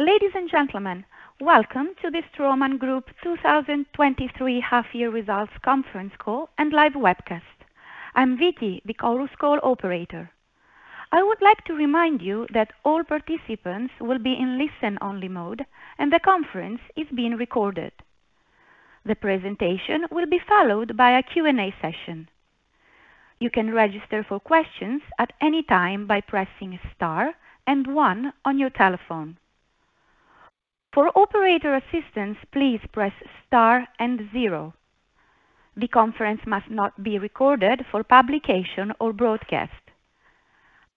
Ladies and gentlemen, welcome to the Straumann Group 2023 half-year results conference call and live webcast. I'm Vicky, the call's call operator. I would like to remind you that all participants will be in listen-only mode, and the conference is being recorded. The presentation will be followed by a Q&A session. You can register for questions at any time by pressing star and one on your telephone. For operator assistance, please press star and zero. The conference must not be recorded for publication or broadcast.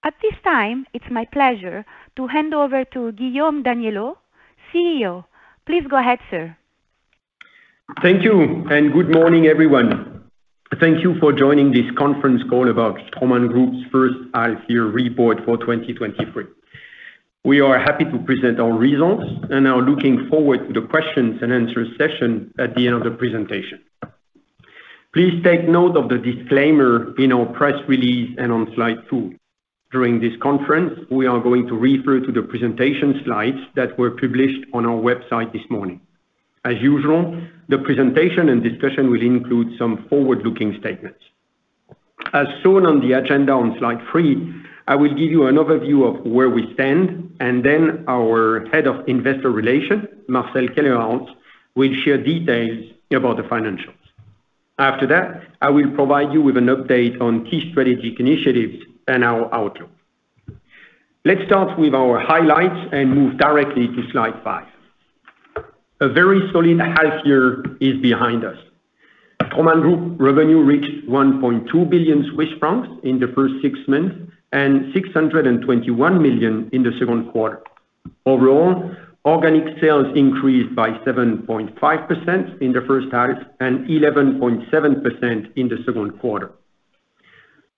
At this time, it's my pleasure to hand over to Guillaume Daniellot, CEO. Please go ahead, sir. Thank you, good morning, everyone. Thank you for joining this conference call about Straumann Group's first half-year report for 2023. We are happy to present our results and are looking forward to the questions and answer session at the end of the presentation. Please take note of the disclaimer in our press release and on slide 2. During this conference, we are going to refer to the presentation slides that were published on our website this morning. As usual, the presentation and discussion will include some forward-looking statements. As shown on the agenda on slide 3, I will give you an overview of where we stand, and then our Head of Investor Relations, Marcel Kellerhals, will share details about the financials. After that, I will provide you with an update on key strategic initiatives and our outlook. Let's start with our highlights and move directly to slide 5. A very solid half-year is behind us. Straumann Group revenue reached 1.2 billion Swiss francs in the first 6 months and 621 million in the second quarter. Overall, organic sales increased by 7.5% in the first half and 11.7% in the second quarter.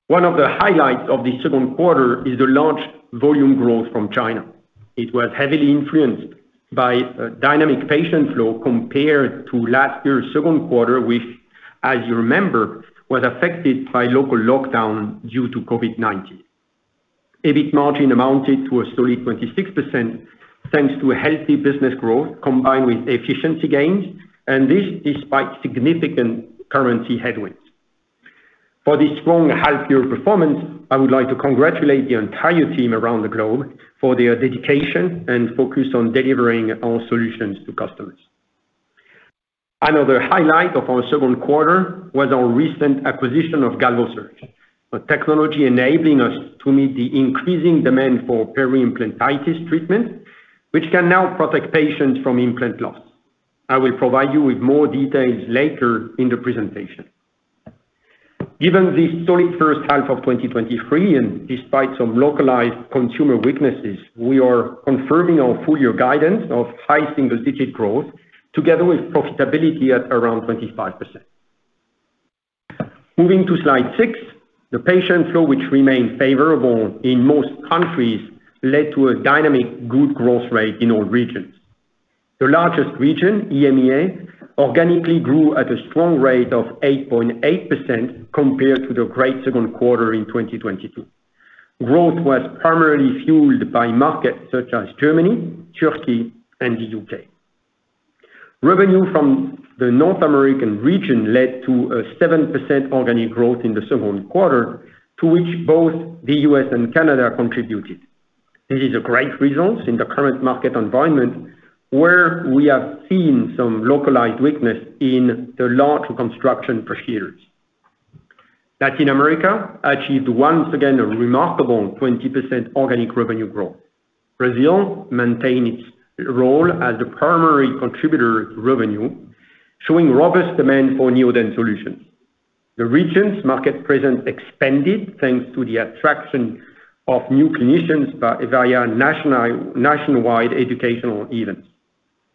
One of the highlights of the second quarter is the large volume growth from China. It was heavily influenced by dynamic patient flow compared to last year's second quarter, which, as you remember, was affected by local lockdown due to COVID-19. EBIT margin amounted to a solid 26%, thanks to a healthy business growth combined with efficiency gains, and this despite significant currency headwinds. For the strong half-year performance, I would like to congratulate the entire team around the globe for their dedication and focus on delivering our solutions to customers. Another highlight of our second quarter was our recent acquisition of GalvoSurge, a technology enabling us to meet the increasing demand for peri-implantitis treatment, which can now protect patients from implant loss. I will provide you with more details later in the presentation. Given the solid first half of 2023, and despite some localized consumer weaknesses, we are confirming our full year guidance of high single-digit growth, together with profitability at around 25%. Moving to slide 6, the patient flow, which remained favorable in most countries, led to a dynamic good growth rate in all regions. The largest region, EMEA, organically grew at a strong rate of 8.8% compared to the great second quarter in 2022. Growth was primarily fueled by markets such as Germany, Turkey, and the UK. Revenue from the North American region led to a 7% organic growth in the second quarter, to which both the U.S. and Canada contributed. This is a great result in the current market environment, where we have seen some localized weakness in the larger construction procedures. Latin America achieved once again, a remarkable 20% organic revenue growth. Brazil maintained its role as the primary contributor to revenue, showing robust demand for Neodent solutions. The region's market presence expanded, thanks to the attraction of new clinicians by via nationwide educational events.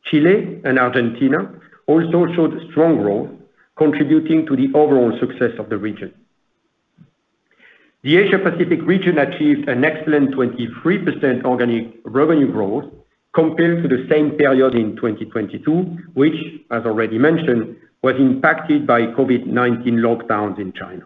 Chile and Argentina also showed strong growth, contributing to the overall success of the region. The Asia Pacific region achieved an excellent 23% organic revenue growth compared to the same period in 2022, which, as already mentioned, was impacted by COVID-19 lockdowns in China.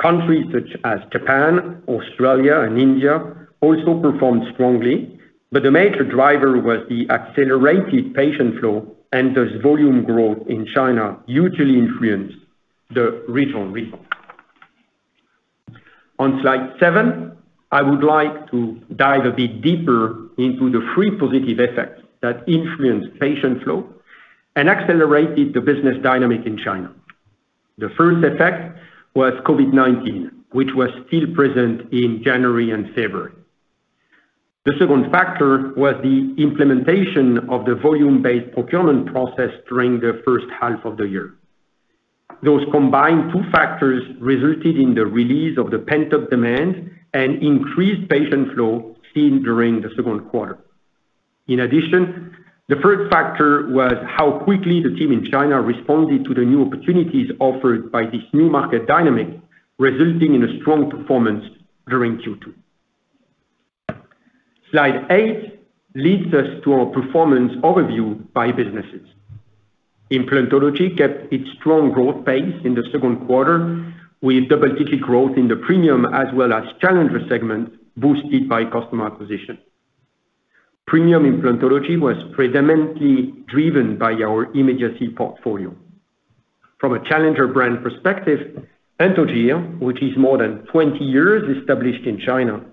Countries such as Japan, Australia, and India also performed strongly, the major driver was the accelerated patient flow, and thus volume growth in China usually influenced the regional result. On slide 7, I would like to dive a bit deeper into the three positive effects that influenced patient flow and accelerated the business dynamic in China. The first effect was COVID-19, which was still present in January and February. The second factor was the implementation of the volume-based procurement process during the first half of the year. Those combined two factors resulted in the release of the pent-up demand and increased patient flow seen during the second quarter. In addition, the third factor was how quickly the team in China responded to the new opportunities offered by this new market dynamic, resulting in a strong performance during Q2. Slide eight leads us to our performance overview by businesses. Implantology kept its strong growth pace in the second quarter, with double-digit growth in the premium as well as challenger segment, boosted by customer acquisition. Premium implantology was predominantly driven by our immediacy portfolio. From a challenger brand perspective, Anthogyr, which is more than 20 years established in China,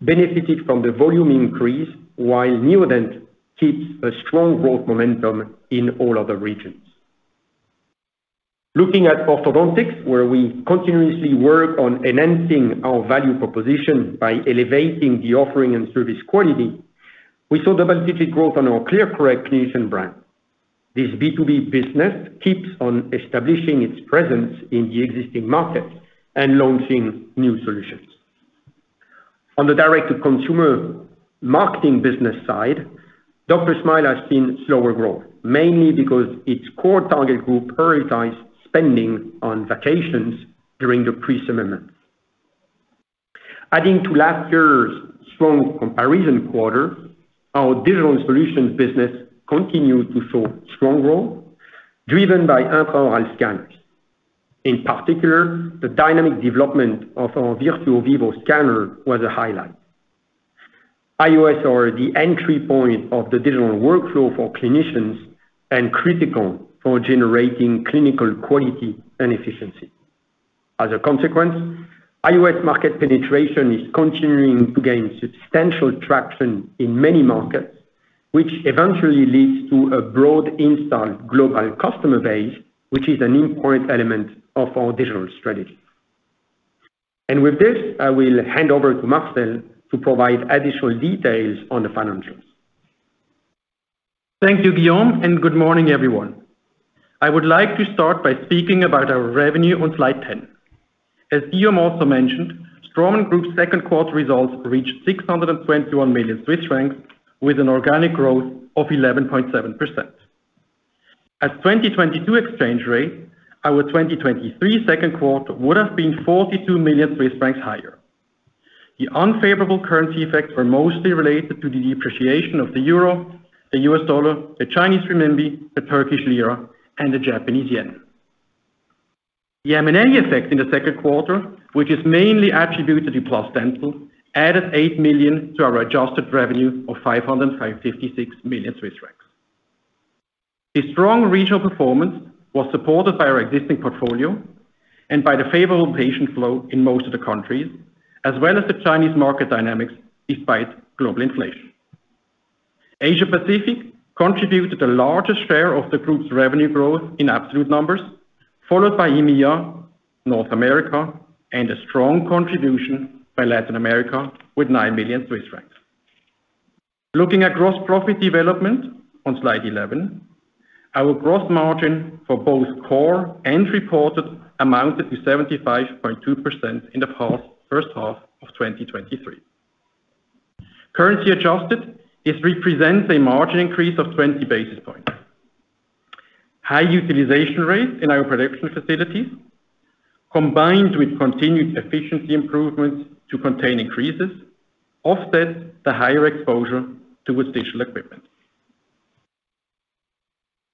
benefited from the volume increase, while Neodent keeps a strong growth momentum in all other regions. Looking at orthodontics, where we continuously work on enhancing our value proposition by elevating the offering and service quality, we saw double-digit growth on our ClearCorrect clinician brand. This B2B business keeps on establishing its presence in the existing market and launching new solutions. On the direct-to-consumer marketing business side, DrSmile has seen slower growth, mainly because its core target group prioritized spending on vacations during the pre-summer months. Adding to last year's strong comparison quarter, our digital solutions business continued to show strong growth, driven by intraoral scanners. In particular, the dynamic development of our Straumann Virtuo Vivo scanner was a highlight. IOS are the entry point of the digital workflow for clinicians and critical for generating clinical quality and efficiency. As a consequence, IOS market penetration is continuing to gain substantial traction in many markets, which eventually leads to a broad installed global customer base, which is an important element of our digital strategy. With this, I will hand over to Marcel to provide additional details on the financials. Thank you, Guillaume, and good morning, everyone. I would like to start by speaking about our revenue on slide 10. As Guillaume also mentioned, Straumann Group's second quarter results reached 621 million Swiss francs, with an organic growth of 11.7%. At 2022 exchange rate, our 2023 second quarter would have been 42 million Swiss francs higher. The unfavorable currency effects were mostly related to the depreciation of the euro, the U.S. dollar, the Chinese renminbi, the Turkish lira, and the Japanese yen. The M&A effect in the second quarter, which is mainly attributed to PlusDental, added 8 million to our adjusted revenue of 556 million Swiss francs. The strong regional performance was supported by our existing portfolio and by the favorable patient flow in most of the countries, as well as the Chinese market dynamics, despite global inflation. Asia Pacific contributed the largest share of the group's revenue growth in absolute numbers, followed by EMEA, North America, and a strong contribution by Latin America with 9 million Swiss francs. Looking at gross profit development on slide 11, our gross margin for both core and reported amounted to 75.2% in the past first half of 2023. Currency adjusted, this represents a margin increase of 20 basis points. High utilization rates in our production facilities, combined with continued efficiency improvements to contain increases, offset the higher exposure to additional equipment.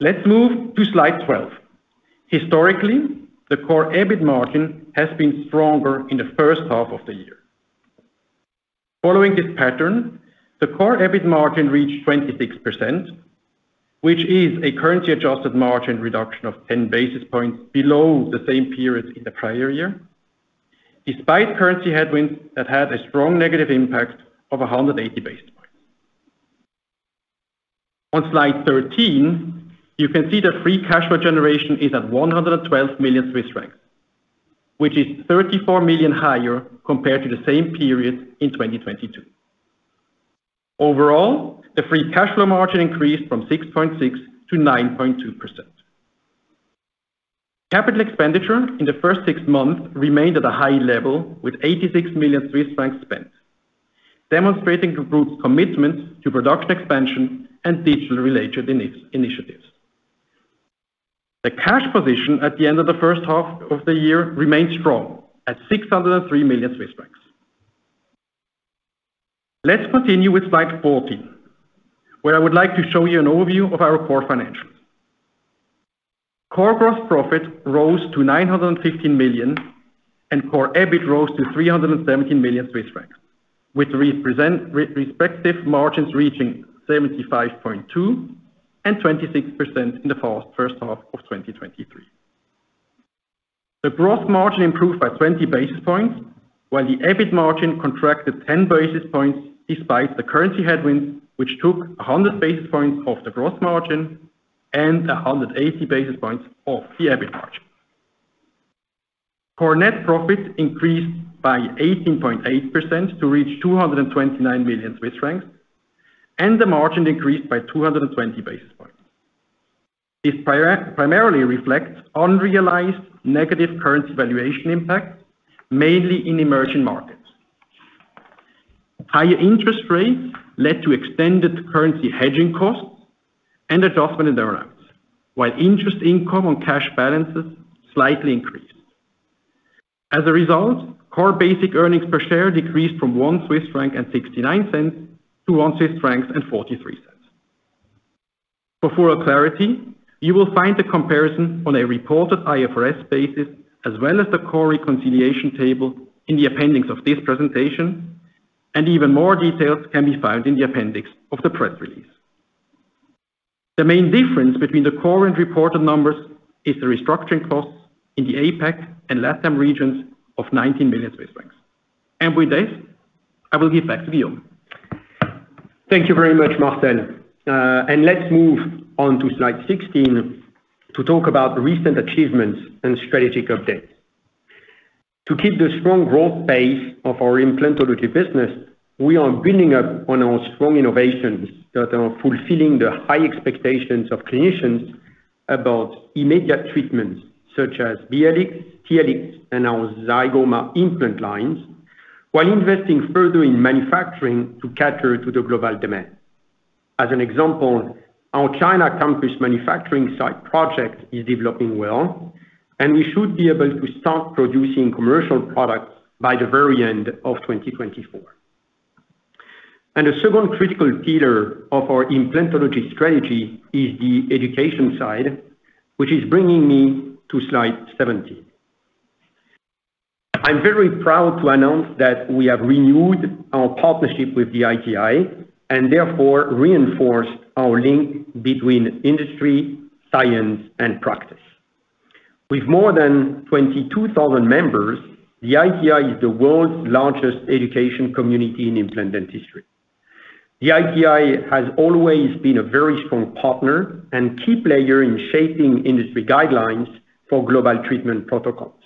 Let's move to slide 12. Historically, the core EBIT margin has been stronger in the first half of the year. Following this pattern, the core EBIT margin reached 26%, which is a currency-adjusted margin reduction of 10 basis points below the same period in the prior year, despite currency headwinds that had a strong negative impact of 180 basis points. On slide 13, you can see the free cash flow generation is at 112 million Swiss francs, which is 34 million higher compared to the same period in 2022. Overall, the free cash flow margin increased from 6.6 to 9.2%. Capital expenditure in the first six months remained at a high level, with 86 million Swiss francs spent, demonstrating the group's commitment to production expansion and digital-related initiatives. The cash position at the end of the first half of the year remained strong at 603 million Swiss francs. Let's continue with slide 14, where I would like to show you an overview of our core financials. Core gross profit rose to 915 million, and core EBIT rose to 317 million Swiss francs, which represent respective margins reaching 75.2 and 26% in the first half of 2023. The gross margin improved by 20 basis points, while the EBIT margin contracted 10 basis points, despite the currency headwinds, which took 100 basis points off the gross margin and 180 basis points off the EBIT margin. Core net profit increased by 18.8% to reach 229 million Swiss francs, and the margin increased by 220 basis points. This primarily reflects unrealized negative currency valuation impact, mainly in emerging markets. Higher interest rates led to extended currency hedging costs and adjustment in derivatives, while interest income on cash balances slightly increased. As a result, core basic earnings per share decreased from 1.69 Swiss franc to 1.43 Swiss franc. For clarity, you will find the comparison on a reported IFRS basis, as well as the core reconciliation table in the appendix of this presentation, and even more details can be found in the appendix of the press release. The main difference between the core and reported numbers is the restructuring costs in the APAC and LATAM regions of 19 million. With this, I will give back to Guillaume. Thank you very much, Marcel. Let's move on to slide 16 to talk about recent achievements and strategic updates. To keep the strong growth pace of our implantology business, we are building up on our strong innovations that are fulfilling the high expectations of clinicians about immediate treatments such as BLX, TLX, and our Zygoma implant lines, while investing further in manufacturing to cater to the global demand. As an example, our China country's manufacturing site project is developing well. We should be able to start producing commercial products by the very end of 2024. The second critical pillar of our implantology strategy is the education side, which is bringing me to slide 17. I'm very proud to announce that we have renewed our partnership with the ITI, therefore reinforced our link between industry, science, and practice. With more than 22,000 members, the ITI is the world's largest education community in implant dentistry. The ITI has always been a very strong partner and key player in shaping industry guidelines for global treatment protocols.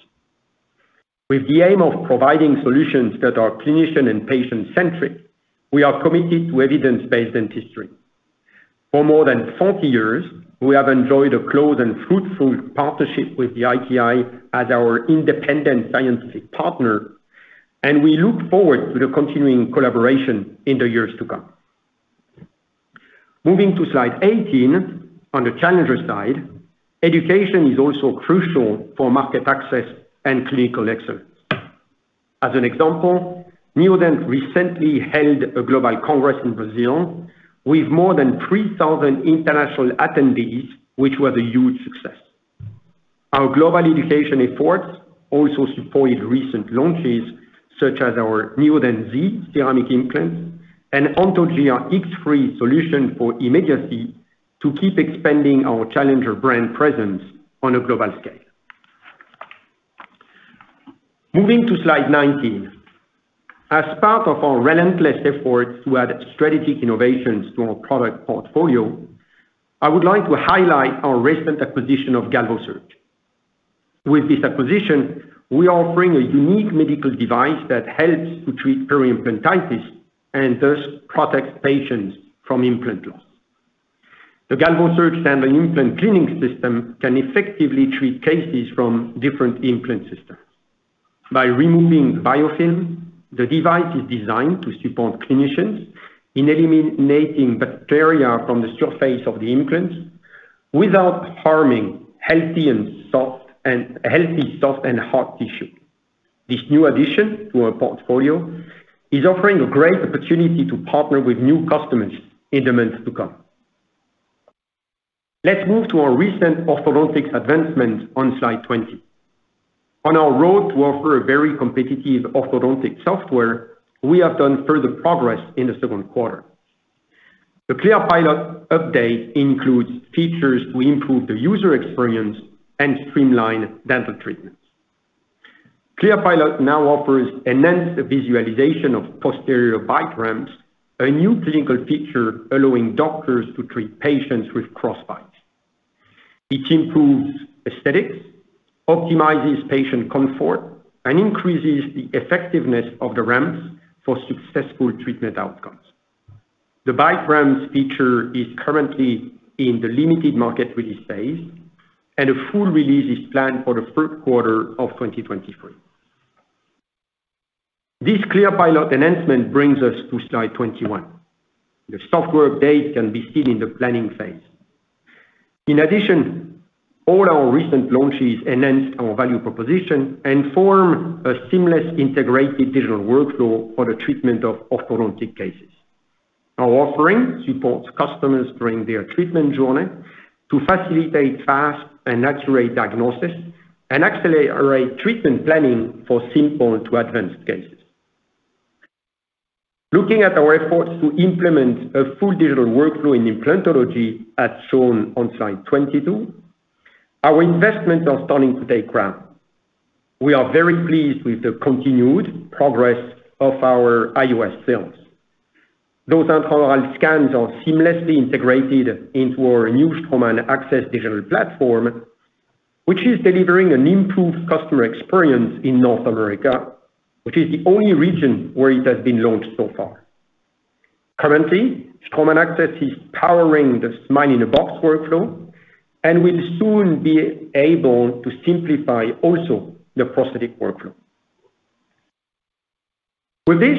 With the aim of providing solutions that are clinician and patient-centric, we are committed to evidence-based dentistry. For more than 40 years, we have enjoyed a close and fruitful partnership with the ITI as our independent scientific partner, and we look forward to the continuing collaboration in the years to come. Moving to slide 18, on the challenger side, education is also crucial for market access and clinical excellence. As an example, Neodent recently held a global congress in Brazil with more than 3,000 international attendees, which was a huge success. Our global education efforts also supported recent launches, such as our Neodent Zi ceramic implant and Anthogyr X3 solution for immediacy to keep expanding our challenger brand presence on a global scale. Moving to slide 19. As part of our relentless efforts to add strategic innovations to our product portfolio, I would like to highlight our recent acquisition of GalvoSurge. With this acquisition, we are offering a unique medical device that helps to treat peri-implantitis and thus protects patients from implant loss. The GalvoSurge standard implant cleaning system can effectively treat cases from different implant systems. By removing biofilm, the device is designed to support clinicians in eliminating bacteria from the surface of the implants without harming healthy, soft, and hard tissue. This new addition to our portfolio is offering a great opportunity to partner with new customers in the months to come. Let's move to our recent orthodontics advancement on slide 20. On our road to offer a very competitive orthodontic software, we have done further progress in the second quarter. The ClearPilot update includes features to improve the user experience and streamline dental treatments. ClearPilot now offers enhanced visualization of posterior bite ramps, a new clinical feature allowing doctors to treat patients with crossbites. It improves aesthetics, optimizes patient comfort, and increases the effectiveness of the ramps for successful treatment outcomes. The bite ramps feature is currently in the limited market release phase, and a full release is planned for the third quarter of 2023. This ClearPilot enhancement brings us to slide 21. The software update can be seen in the planning phase. In addition, all our recent launches enhanced our value proposition and form a seamless, integrated digital workflow for the treatment of orthodontic cases. Our offering supports customers during their treatment journey to facilitate fast and accurate diagnosis, and accelerate treatment planning for simple to advanced cases. Looking at our efforts to implement a full digital workflow in implantology, as shown on slide 22, our investments are starting to take ground. We are very pleased with the continued progress of our IOS sales. Those internal scans are seamlessly integrated into our new Straumann AXS digital platform, which is delivering an improved customer experience in North America, which is the only region where it has been launched so far. Currently, Straumann AXS is powering the Smile in a Box workflow and will soon be able to simplify also the prosthetic workflow. With this,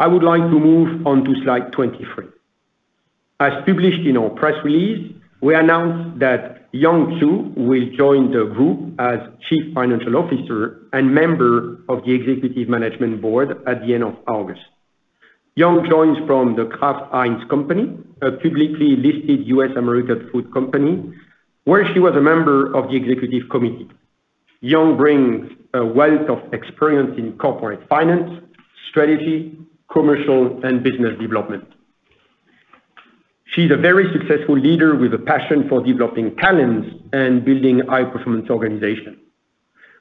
I would like to move on to slide 23. As published in our press release, we announced that Yang Xu will join the group as Chief Financial Officer and member of the Executive Management Board at the end of August. Yang joins from The Kraft Heinz Company, a publicly listed U.S. American food company, where she was a member of the executive committee. Yang brings a wealth of experience in corporate finance, strategy, commercial, and business development. She's a very successful leader with a passion for developing talents and building high-performance organization.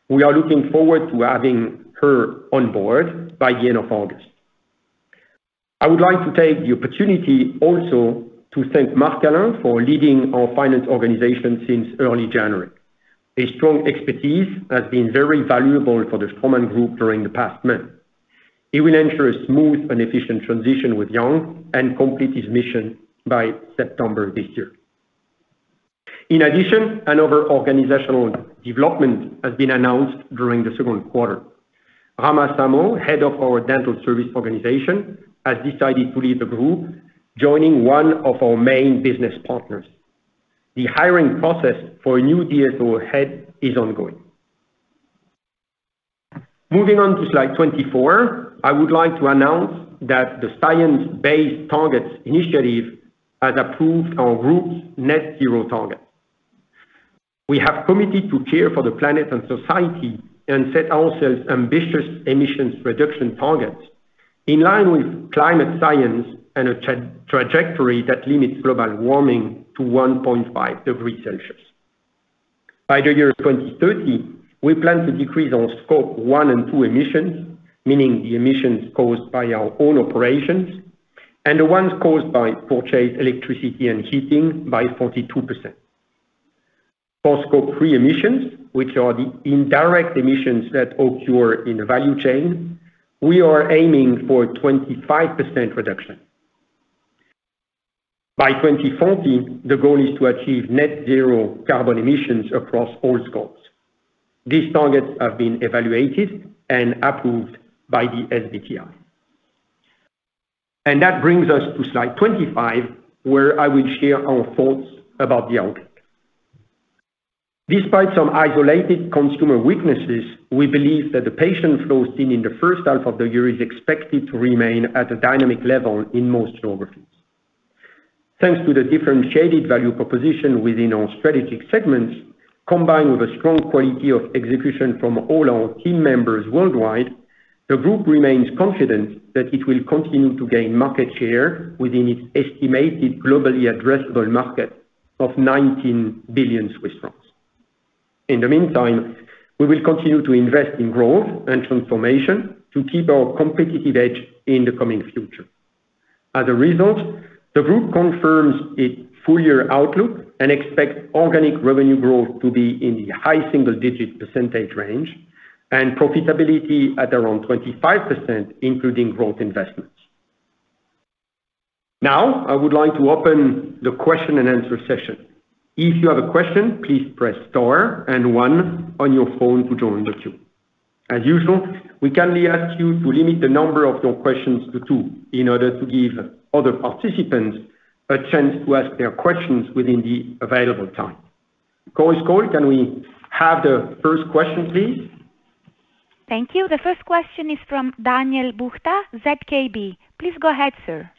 We are looking forward to having her on board by the end of August. I would like to take the opportunity also to thank Marc-Alain for leading our finance organization since early January. His strong expertise has been very valuable for the Straumann Group during the past month. He will ensure a smooth and efficient transition with Yang and complete his mission by September this year. In addition, another organizational development has been announced during the second quarter. Rahma Samow, head of our dental service organization, has decided to leave the group, joining one of our main business partners. The hiring process for a new DSO head is ongoing. Moving on to slide 24, I would like to announce that the Science Based Targets initiative has approved our group's net zero target. We have committed to care for the planet and society and set ourselves ambitious emissions reduction targets in line with climate science and a trajectory that limits global warming to 1.5 degrees Celsius. By the year 2030, we plan to decrease our Scope 1 and 2 emissions, meaning the emissions caused by our own operations and the ones caused by purchased electricity and heating by 42%. For Scope 3 emissions, which are the indirect emissions that occur in the value chain, we are aiming for a 25% reduction. By 2040, the goal is to achieve net zero carbon emissions across all scopes. These targets have been evaluated and approved by the SBTi. That brings us to slide 25, where I will share our thoughts about the outlook. Despite some isolated consumer weaknesses, we believe that the patient flow seen in the first half of the year is expected to remain at a dynamic level in most geographies. Thanks to the differentiated value proposition within our strategic segments, combined with a strong quality of execution from all our team members worldwide, the group remains confident that it will continue to gain market share within its estimated globally addressable market of 19 billion Swiss francs. In the meantime, we will continue to invest in growth and transformation to keep our competitive edge in the coming future. As a result, the group confirms its full year outlook and expects organic revenue growth to be in the high single-digit percentage range and profitability at around 25%, including growth investments. Now, I would like to open the Q&A session. If you have a question, please press star and one on your phone to join the queue. As usual, we kindly ask you to limit the number of your questions to two in order to give other participants a chance to ask their questions within the available time. Chorus Call, can we have the first question, please? Thank you. The first question is from Daniel Buchta, ZKB. Please go ahead, sir.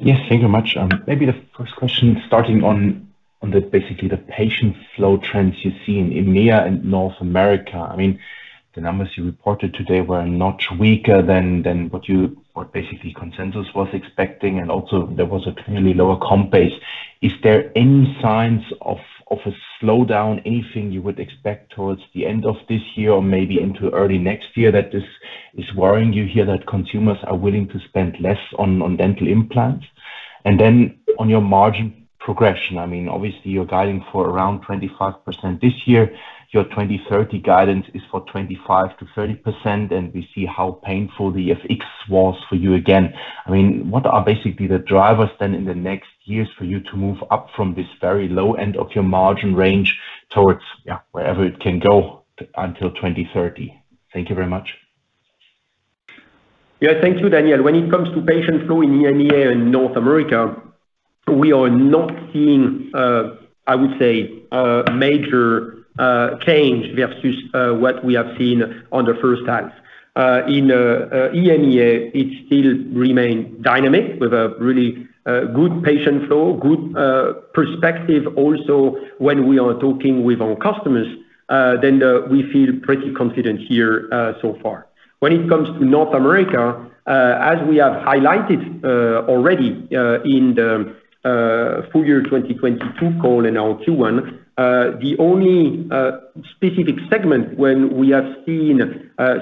Yes, thank you very much. maybe the first question starting on, on the basically the patient flow trends you see in EMEA and North America. I mean, the numbers you reported today were a notch weaker than, than basically consensus was expecting, and also there was a clearly lower comp base. Is there any signs of, of a slowdown, anything you would expect towards the end of this year or maybe into early next year, that this is worrying you, here, that consumers are willing to spend less on, on dental implants? Then on your margin progression, I mean, obviously you're guiding for around 25% this year. Your 2030 guidance is for 25%-30%, and we see how painful the FX was for you again. I mean, what are basically the drivers then in the next years for you to move up from this very low end of your margin range towards, yeah, wherever it can go until 2030? Thank you very much. Yeah. Thank you, Daniel. When it comes to patient flow in EMEA and North America, we are not seeing, I would say, a major change versus what we have seen on the first half. In EMEA, it still remain dynamic with a really good patient flow, good perspective also, when we are talking with our customers, we feel pretty confident here, so far. When it comes to North America, as we have highlighted, already, in the full year 2022 call and our Q1, the only specific segment when we have seen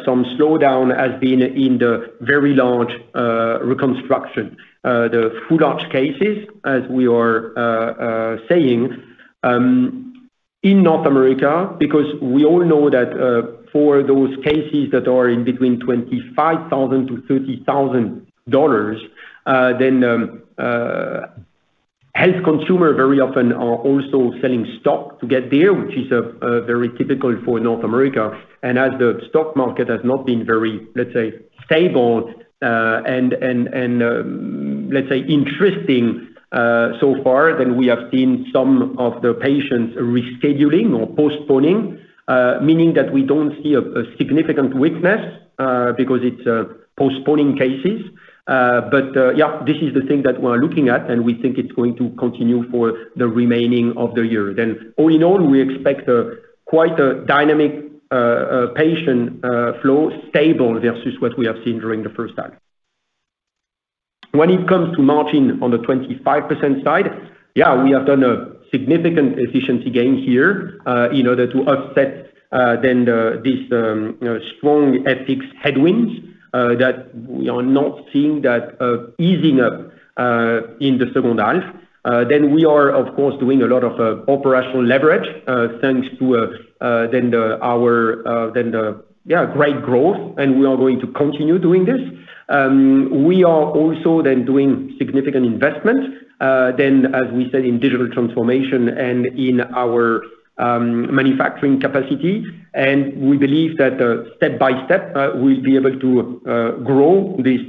some slowdown has been in the very large reconstruction, the full large cases, as we are saying, in North America, because we all know that for those cases that are in between $25,000-$30,000, then Health consumer very often are also selling stock to get there, which is a very typical for North America. As the stock market has not been very, let's say, stable, and, and, and, let's say, interesting, so far, we have seen some of the patients rescheduling or postponing, meaning that we don't see a, a significant weakness, because it's postponing cases. But, yeah, this is the thing that we're looking at, and we think it's going to continue for the remaining of the year. All in all, we expect a quite a dynamic patient flow stable versus what we have seen during the first half. When it comes to margin on the 25% side, yeah, we have done a significant efficiency gain here, in order to offset, then the, this, you know, strong FX headwinds, that we are not seeing that easing up in the second half. We are, of course, doing a lot of operational leverage, thanks to our great growth, and we are going to continue doing this. We are also doing significant investment, as we said, in digital transformation and in our manufacturing capacity. We believe that step-by-step, we'll be able to grow this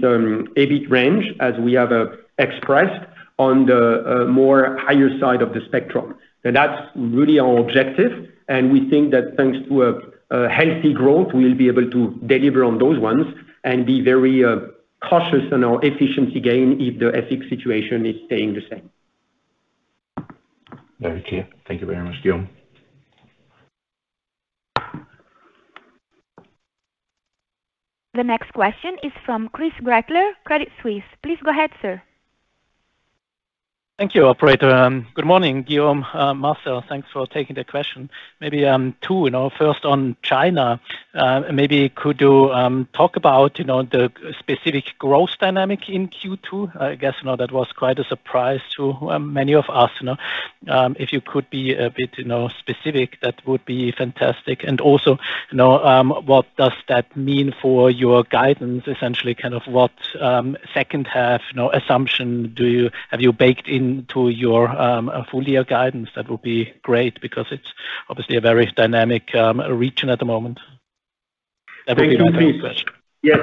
EBIT range as we have expressed on the more higher side of the spectrum. That's really our objective, and we think that thanks to a healthy growth, we'll be able to deliver on those ones and be very cautious on our efficiency gain if the FX situation is staying the same. Very clear. Thank you very much, Guillaume. The next question is from Chris Gretler, Credit Suisse. Please go ahead, sir. Thank you, operator. Good morning, Guillaume, Marcel, thanks for taking the question. Maybe two, you know, first on China. Maybe could you talk about, you know, the specific growth dynamic in Q2? I guess, you know, that was quite a surprise to many of us, you know. If you could be a bit, you know, specific, that would be fantastic. Also, you know, what does that mean for your guidance? Essentially, kind of what second half, you know, assumption have you baked into your full year guidance? That would be great because it's obviously a very dynamic region at the moment. Thank you, Chris. Yes,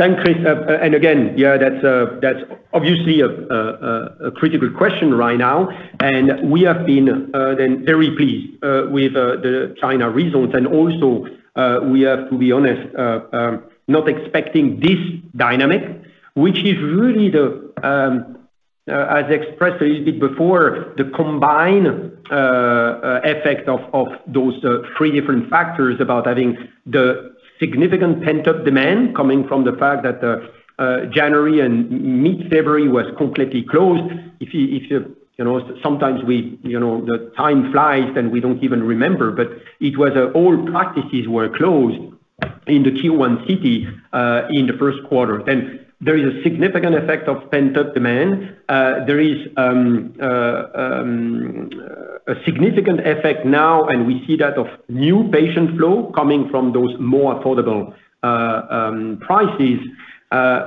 thanks, Chris. Again, that's obviously a critical question right now, and we have been then very pleased with the China results. Also, we have to be honest, not expecting this dynamic, which is really the as expressed a little bit before, the combined effect of those three different factors about having the significant pent-up demand coming from the fact that January and mid-February was completely closed. If you, if you, you know, sometimes we, you know, the time flies, and we don't even remember, it was all practices were closed in the Tier 1 city in the first quarter. There is a significant effect of pent-up demand. There is a significant effect now, and we see that of new patient flow coming from those more affordable prices,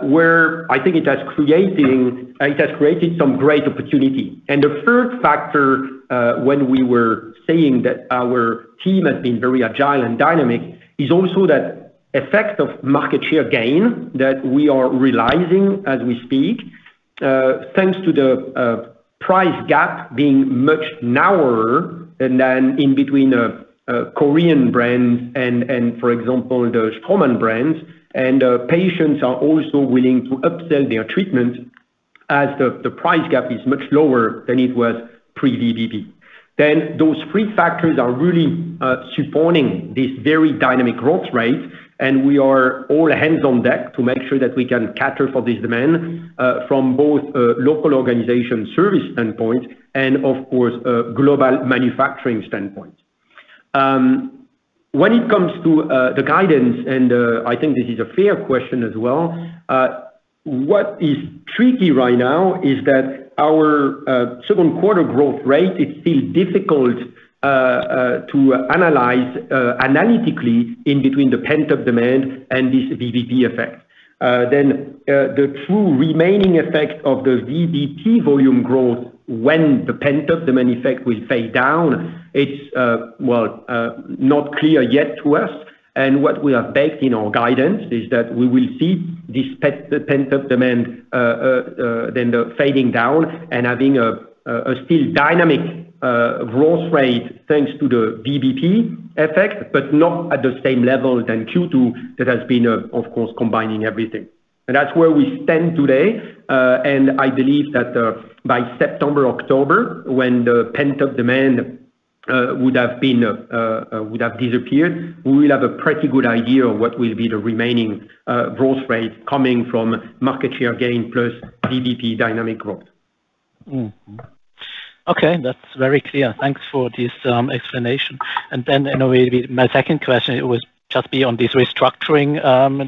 where I think it has created some great opportunity. And the third factor, when we were saying that our team has been very agile and dynamic, is also that effect of market share gain that we are realizing as we speak, thanks to the price gap being much narrower than in between the Korean brands and, for example, those common brands. And patients are also willing to upsell their treatment as the price gap is much lower than it was pre-VBP. Those three factors are really supporting this very dynamic growth rate, and we are all hands on deck to make sure that we can cater for this demand, from both local organization service standpoint and, of course, global manufacturing standpoint. When it comes to the guidance, and I think this is a fair question as well, what is tricky right now is that our second quarter growth rate is still difficult to analyze analytically in between the pent-up demand and this VBP effect. The true remaining effect of the VBP volume growth when the pent-up demand effect will fade down, it's well not clear yet to us. What we have baked in our guidance is that we will see this pent-up demand fading down and having a still dynamic growth rate, thanks to the VBP effect, but not at the same level than Q2 that has been, of course, combining everything. That's where we stand today, and I believe that by September or October, when the pent-up demand would have disappeared, we will have a pretty good idea of what will be the remaining growth rate coming from market share gain plus VBP dynamic growth. Okay, that's very clear. Thanks for this explanation. You know, my second question, it would just be on this restructuring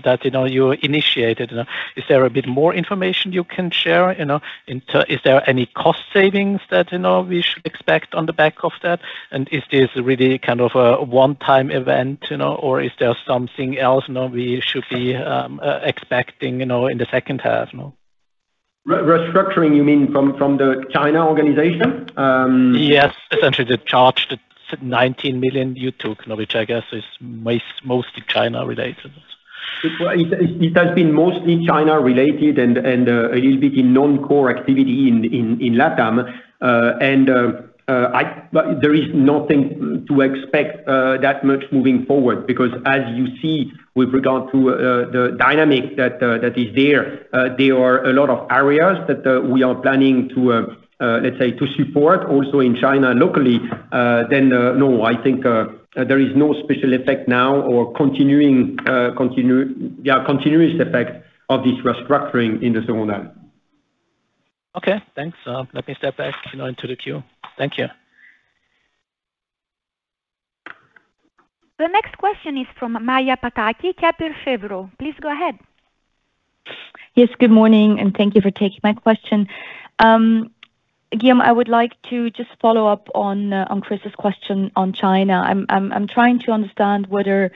that, you know, you initiated. Is there a bit more information you can share, you know, is there any cost savings that, you know, we should expect on the back of that? Is this really kind of a one-time event, you know, or is there something else, you know, we should be expecting, you know, in the second half, no? Restructuring, you mean from, from the China organization? Yes, essentially the charge, the 19 million you took, which I guess is most, mostly China related. It, it, it has been mostly China related and, and, a little bit in non-core activity in, in, in LATAM. But there is nothing to expect that much moving forward. As you see, with regard to the dynamic that is there, there are a lot of areas that we are planning to, let's say, to support also in China locally. No, I think there is no special effect now or continuing, continue. Yeah, continuous effect of this restructuring in the zone area. Okay, thanks. let me step back, you know, into the queue. Thank you. The next question is from Maja Pataki, Kepler Cheuvreux. Please go ahead. Yes, good morning, and thank you for taking my question. Again, I would like to just follow up on Chris's question on China. I'm, I'm, I'm trying to understand whether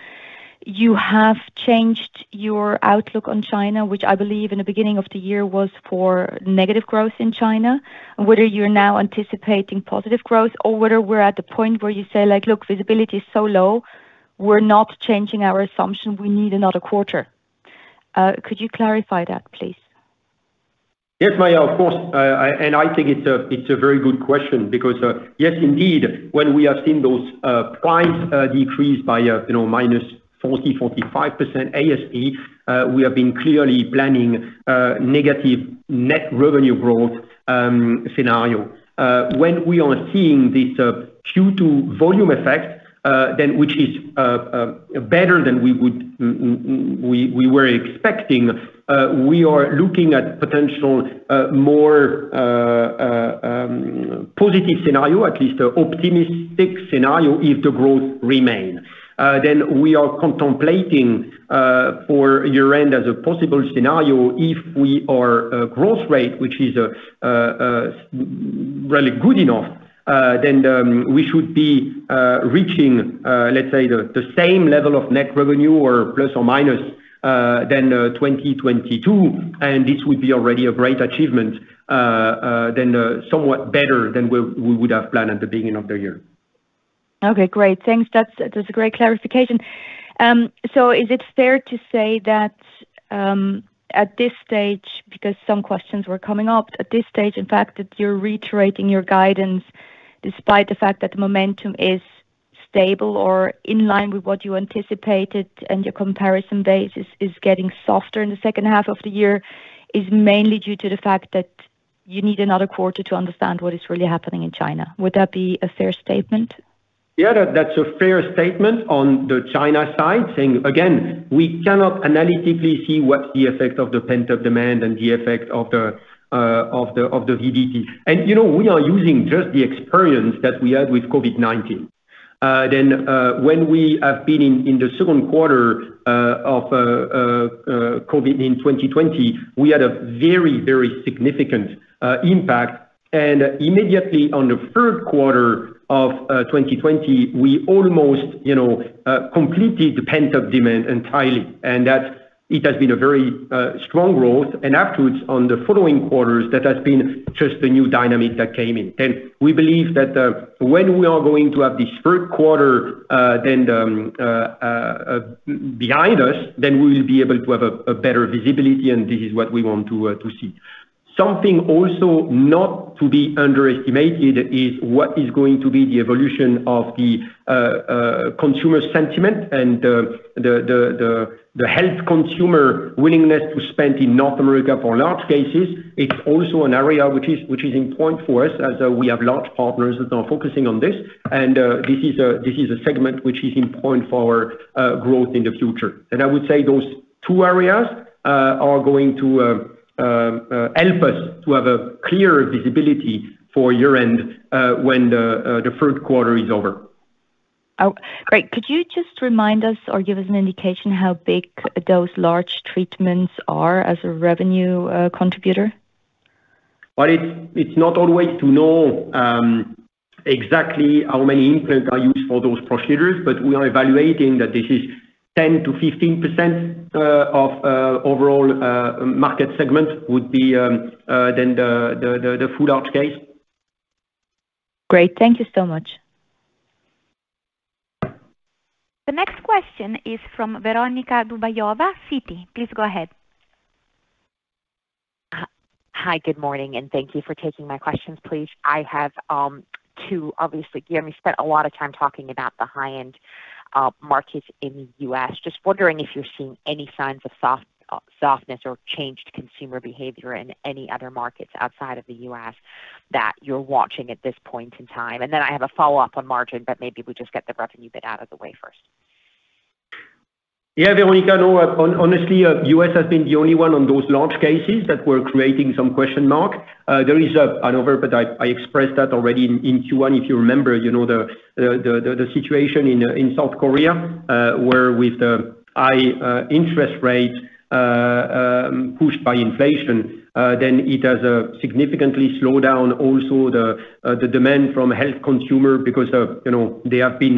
you have changed your outlook on China, which I believe in the beginning of the year was for negative growth in China. Whether you're now anticipating positive growth or whether we're at the point where you say, like, "Look, visibility is so low, we're not changing our assumption, we need another quarter." Could you clarify that, please? Yes, Maja, of course. I think it's a very good question because, yes, indeed, when we have seen those prices decrease by, you know, minus 40%-45% ASP, we have been clearly planning negative net revenue growth scenario. When we are seeing this Q2 volume effect, then, which is better than we would, we were expecting, we are looking at potential more positive scenario, at least optimistic scenario, if the growth remain. We are contemplating for year-end as a possible scenario, if we are growth rate, which is really good enough, then we should be reaching, let's say, the same level of net revenue or plus or minus than 2022. This would be already a great achievement than somewhat better than we would have planned at the beginning of the year. Okay, great. Thanks. That's, that's a great clarification. Is it fair to say that, at this stage, because some questions were coming up, at this stage, in fact, that you're reiterating your guidance, despite the fact that the momentum is stable or in line with what you anticipated and your comparison basis is getting softer in the second half of the year, is mainly due to the fact that you need another quarter to understand what is really happening in China? Would that be a fair statement? Yeah, that, that's a fair statement on the China side. Saying again, we cannot analytically see what's the effect of the pent-up demand and the effect of the, of the, of the VBP. You know, we are using just the experience that we had with COVID-19. When we have been in, in the second quarter of COVID in 2020, we had a very, very significant impact. Immediately on the third quarter of 2020, we almost, you know, completely the pent-up demand entirely, and that it has been a very strong growth. Afterwards, on the following quarters, that has been just a new dynamic that came in. We believe that, when we are going to have this third quarter, then behind us, then we will be able to have a better visibility, and this is what we want to see. Something also not to be underestimated is what is going to be the evolution of the consumer sentiment and the, the, the, the, the health consumer willingness to spend in North America for large cases. It's also an area which is, which is important for us, as we have large partners that are focusing on this. This is a segment which is important for our growth in the future. I would say those two areas, are going to, help us to have a clearer visibility for year-end, when the, the third quarter is over. Oh, great! Could you just remind us or give us an indication how big those large treatments are as a revenue contributor? Well, it's, it's not always to know, exactly how many implants are used for those procedures, but we are evaluating that this is 10%-15% of overall market segment would be, than the, the, the, the full large case. Great. Thank you so much. The next question is from Veronika Dubajova, Citi. Please go ahead. Hi, good morning, and thank you for taking my questions, please. I have two. Obviously, Guillaume, you spent a lot of time talking about the high-end markets in the U.S.. Just wondering if you're seeing any signs of soft softness or changed consumer behavior in any other markets outside of the U.S. that you're watching at this point in time. I have a follow-up on margin, but maybe we just get the revenue bit out of the way first. Veronika, no, honestly, U.S. has been the only one on those large cases that were creating some question mark. There is another, but I, I expressed that already in Q1, if you remember, you know, the situation in South Korea, where with the high interest rate pushed by inflation, then it has significantly slowed down also the demand from health consumer, because, you know, they have been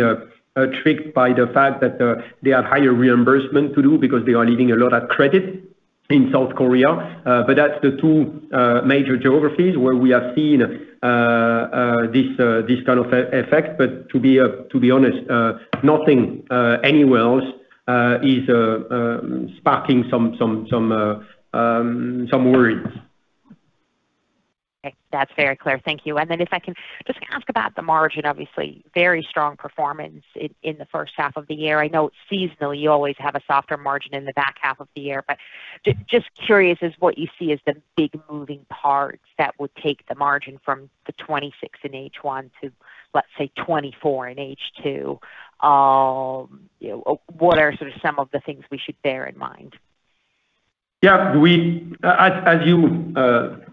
tricked by the fact that they have higher reimbursement to do because they are leaving a lot of credit, in South Korea. That's the two major geographies where we have seen this kind of effect. To be, to be honest, nothing anywhere else is sparking some, some, some, some worries. Okay. That's very clear. Thank you. Then if I can just ask about the margin. Obviously, very strong performance in, in the first half of the year. I know seasonally, you always have a softer margin in the back half of the year. Just curious, is what you see as the big moving parts that would take the margin from the 26% in H1 to, let's say, 24% in H2? You know, what are sort of some of the things we should bear in mind? Yeah, we, as, as you,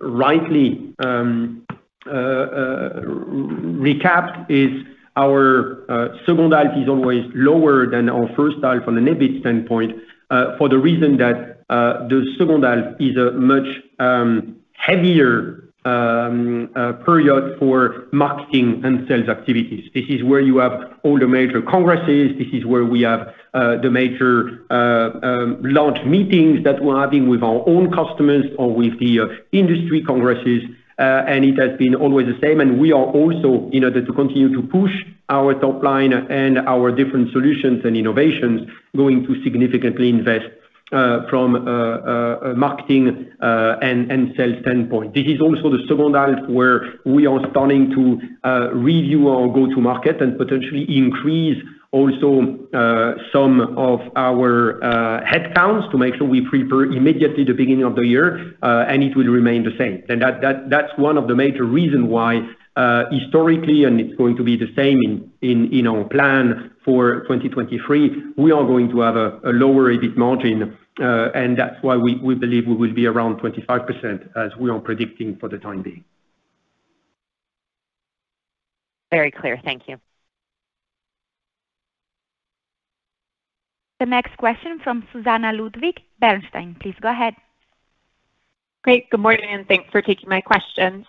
rightly, recap, is our second half is always lower than our first half from an EBIT standpoint, for the reason that the second half is a much heavier period for marketing and sales activities. This is where you have all the major congresses, this is where we have, the major, large meetings that we're having with our own customers or with the industry congresses. It has been always the same, and we are also in order to continue to push our top line and our different solutions and innovations, going to significantly invest, from a marketing, and sales standpoint. This is also the second half where we are starting to review our go-to market and potentially increase also some of our headcounts, to make sure we prepare immediately the beginning of the year, and it will remain the same. That, that, that's one of the major reason why historically, and it's going to be the same in our plan for 2023, we are going to have a lower EBIT margin, and that's why we believe we will be around 25%, as we are predicting for the time being. Very clear. Thank you. The next question from Susannah Ludwig, Bernstein. Please go ahead. Great. Good morning, and thanks for taking my questions.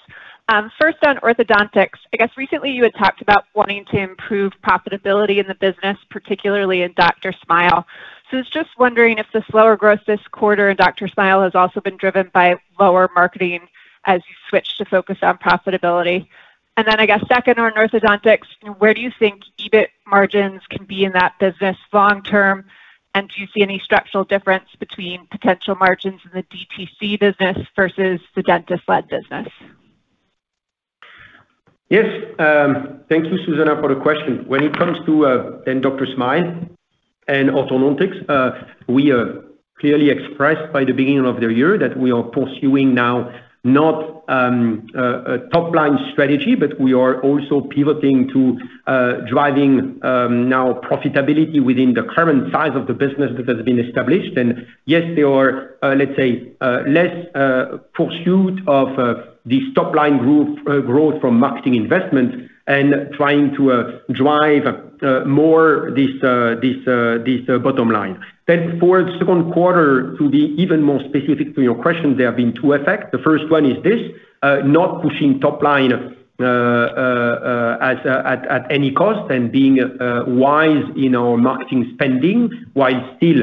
First on orthodontics, I guess recently you had talked about wanting to improve profitability in the business, particularly in DrSmile. I was just wondering if the slower growth this quarter DrSmile has also been driven by lower marketing as you switch to focus on profitability? Then, I guess second, on orthodontics, where do you think EBIT margins can be in that business long term, and do you see any structural difference between potential margins in the DTC business versus the dentist-led business? Yes. Thank you, Susannah, for the question. When it comes to DrSmile and orthodontics, we have clearly expressed by the beginning of the year that we are pursuing now not a top line strategy, but we are also pivoting to driving now profitability within the current size of the business that has been established. Yes, there are, let's say, less pursuit of this top line growth, growth from marketing investment and trying to drive more this, this, this bottom line. For the second quarter, to be even more specific to your question, there have been two effects. The first one is this not pushing top line at any cost and being wise in our marketing spending, while still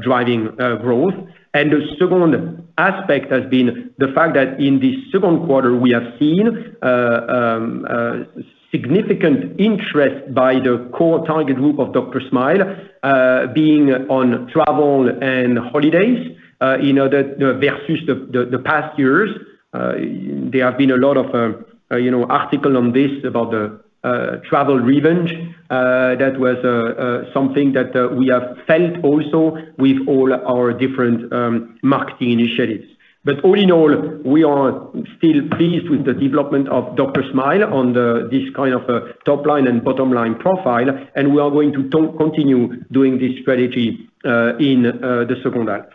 driving growth. The second aspect has been the fact that in this second quarter we have seen significant interest by the core target group of DrSmile, being on travel and holidays, you know, that versus the past years. There have been a lot of, you know, article on this about the travel revenge. That was something that we have felt also with all our different marketing initiatives. But all in all, we are still pleased with the development DrSmile on this kind of top line and bottom line profile, and we are going to continue doing this strategy in the second half.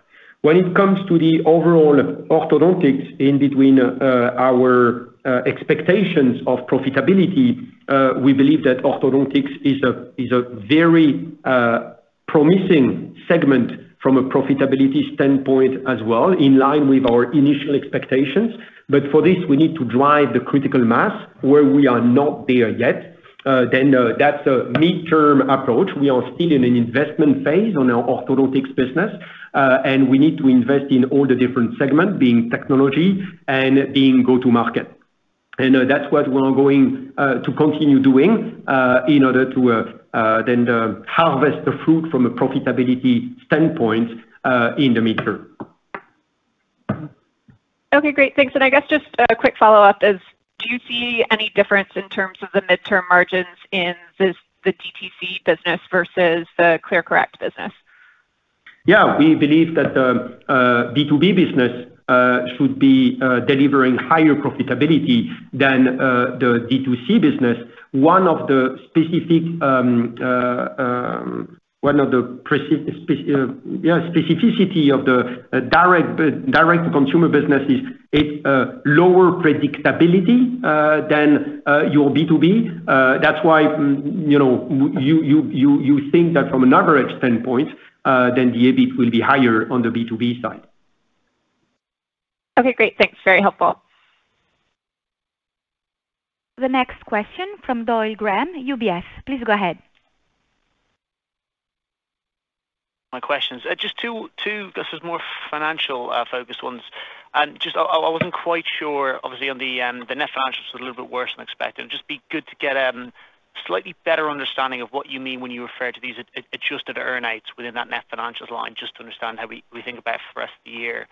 When it comes to the overall orthodontics in between, our expectations of profitability, we believe that orthodontics is a, is a very, promising segment from a profitability standpoint as well, in line with our initial expectations. For this, we need to drive the critical mass, where we are not there yet. Then, that's a midterm approach. We are still in an investment phase on our orthodontics business, and we need to invest in all the different segments, being technology and being go-to market. That's what we are going to continue doing, in order to, then, harvest the fruit from a profitability standpoint, in the mid-term. Okay, great. Thanks. I guess just a quick follow-up is, do you see any difference in terms of the midterm margins in this, the DTC business versus the ClearCorrect business? Yeah. We believe that the B2B business should be delivering higher profitability than the D2C business. One of the specific specificity of the direct-to-consumer business is its lower predictability than your B2B. That's why, you know, you think that from an average standpoint, then the EBIT will be higher on the B2B side. Okay, great. Thanks. Very helpful. The next question from Graham Doyle, UBS. Please go ahead. My questions. Just two, two, this is more financial-focused ones, and just I, I wasn't quite sure, obviously, on the net financial is a little bit worse than expected. Just be good to get a slightly better understanding of what you mean when you refer to these adjusted earn-outs within that net financials line, just to understand how we, we think about for the rest of the year.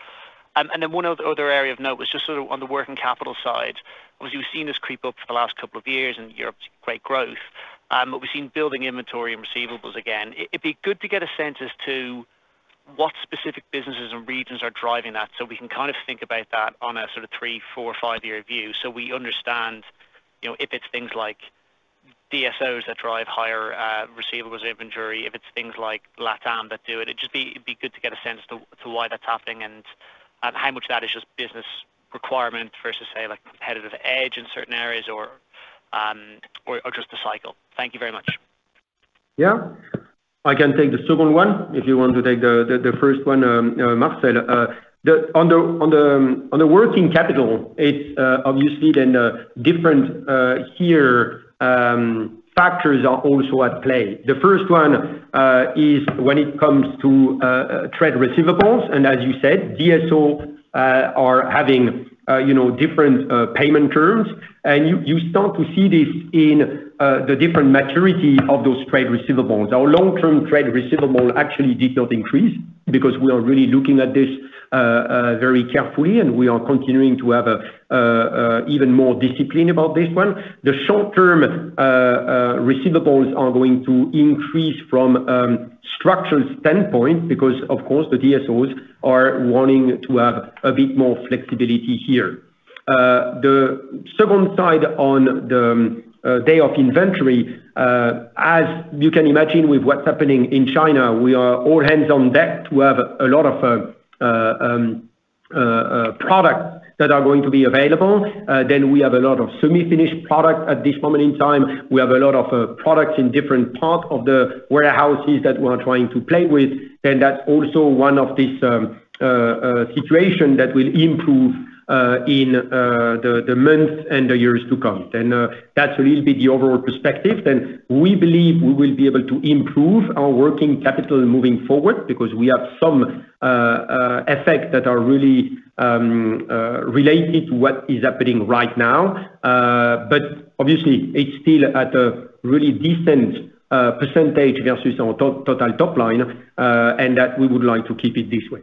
Then one other area of note was just sort of on the working capital side. Obviously, we've seen this creep up for the last couple of years in Europe's great growth, but we've seen building inventory and receivables again. It'd be good to get a sense as to what specific businesses and regions are driving that, so we can kind of think about that on a sort of three, four, five-year view. We understand, you know, if it's things like DSOs that drive higher, receivables inventory, if it's things like LATAM that do it, it'd be good to get a sense to, to why that's happening and, and how much of that is just business requirement versus, say, like, competitive edge in certain areas or, or, or just the cycle. Thank you very much. Yeah. I can take the second one, if you want to take the, the, the first one, Marcel. On the, on the, on the working capital, it's obviously then different here, factors are also at play. The first one is when it comes to trade receivables, and as you said, DSO are having, you know, different payment terms. You, you start to see this in the different maturity of those trade receivables. Our long-term trade receivable actually did not increase because we are really looking at this very carefully, and we are continuing to have even more discipline about this one. The short-term receivables are going to increase from structural standpoint because, of course, the DSOs are wanting to have a bit more flexibility here. The second side on the day of inventory, as you can imagine with what's happening in China, we are all hands on deck to have a lot of products that are going to be available. We have a lot of semi-finished products at this moment in time. We have a lot of products in different parts of the warehouses that we're trying to play with. That's also one of this situation that will improve in the months and the years to come. That's a little bit the overall perspective. We believe we will be able to improve our working capital moving forward because we have some effects that are really related to what is happening right now. Obviously it's still at a really decent % versus our top- total top line, and that we would like to keep it this way.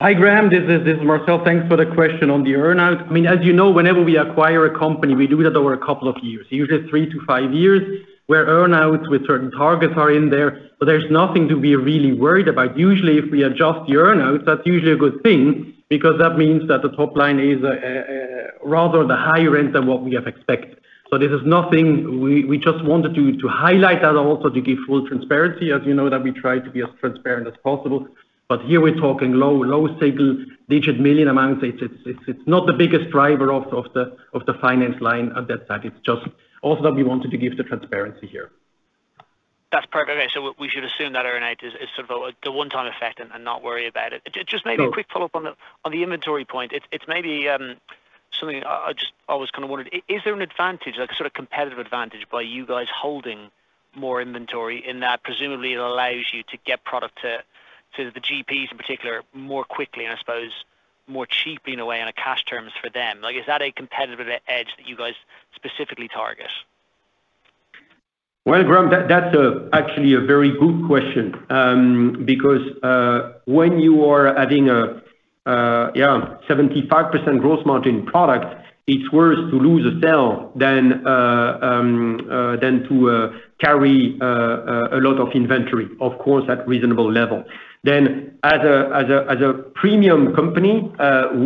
Hi, Graham, this is, this is Marcel. Thanks for the question on the earn-out. I mean, as you know, whenever we acquire a company, we do that over a couple of years, usually 3-5 years, where earn-outs with certain targets are in there, but there's nothing to be really worried about. Usually, if we adjust the earn-out, that's usually a good thing because that means that the top line is rather the higher end than what we have expected. This is nothing, we, we just wanted to highlight that and also to give full transparency, as you know, that we try to be as transparent as possible. Here we're talking low, low single digit million amounts. It's, it's, it's not the biggest driver of, of the, of the finance line at that side. It's just also we wanted to give the transparency here. That's perfect. Okay, we should assume that earn-out is, is sort of a, the one-time effect and, and not worry about it. Just maybe a quick follow-up on the, on the inventory point. It's, it's maybe something I, I just, I was kind of wondered. Is there an advantage, like a sort of competitive advantage, by you guys holding more inventory in that presumably it allows you to get product to, to the GPs in particular, more quickly, and I suppose more cheaply, in a way, on a cash terms for them? Like, is that a competitive edge that you guys specifically target? Well, Graham, that, that's actually a very good question. Because, when you are adding a, yeah, 75% gross margin product, it's worse to lose a sale than to carry a lot of inventory, of course, at reasonable level. As a, as a, as a premium company,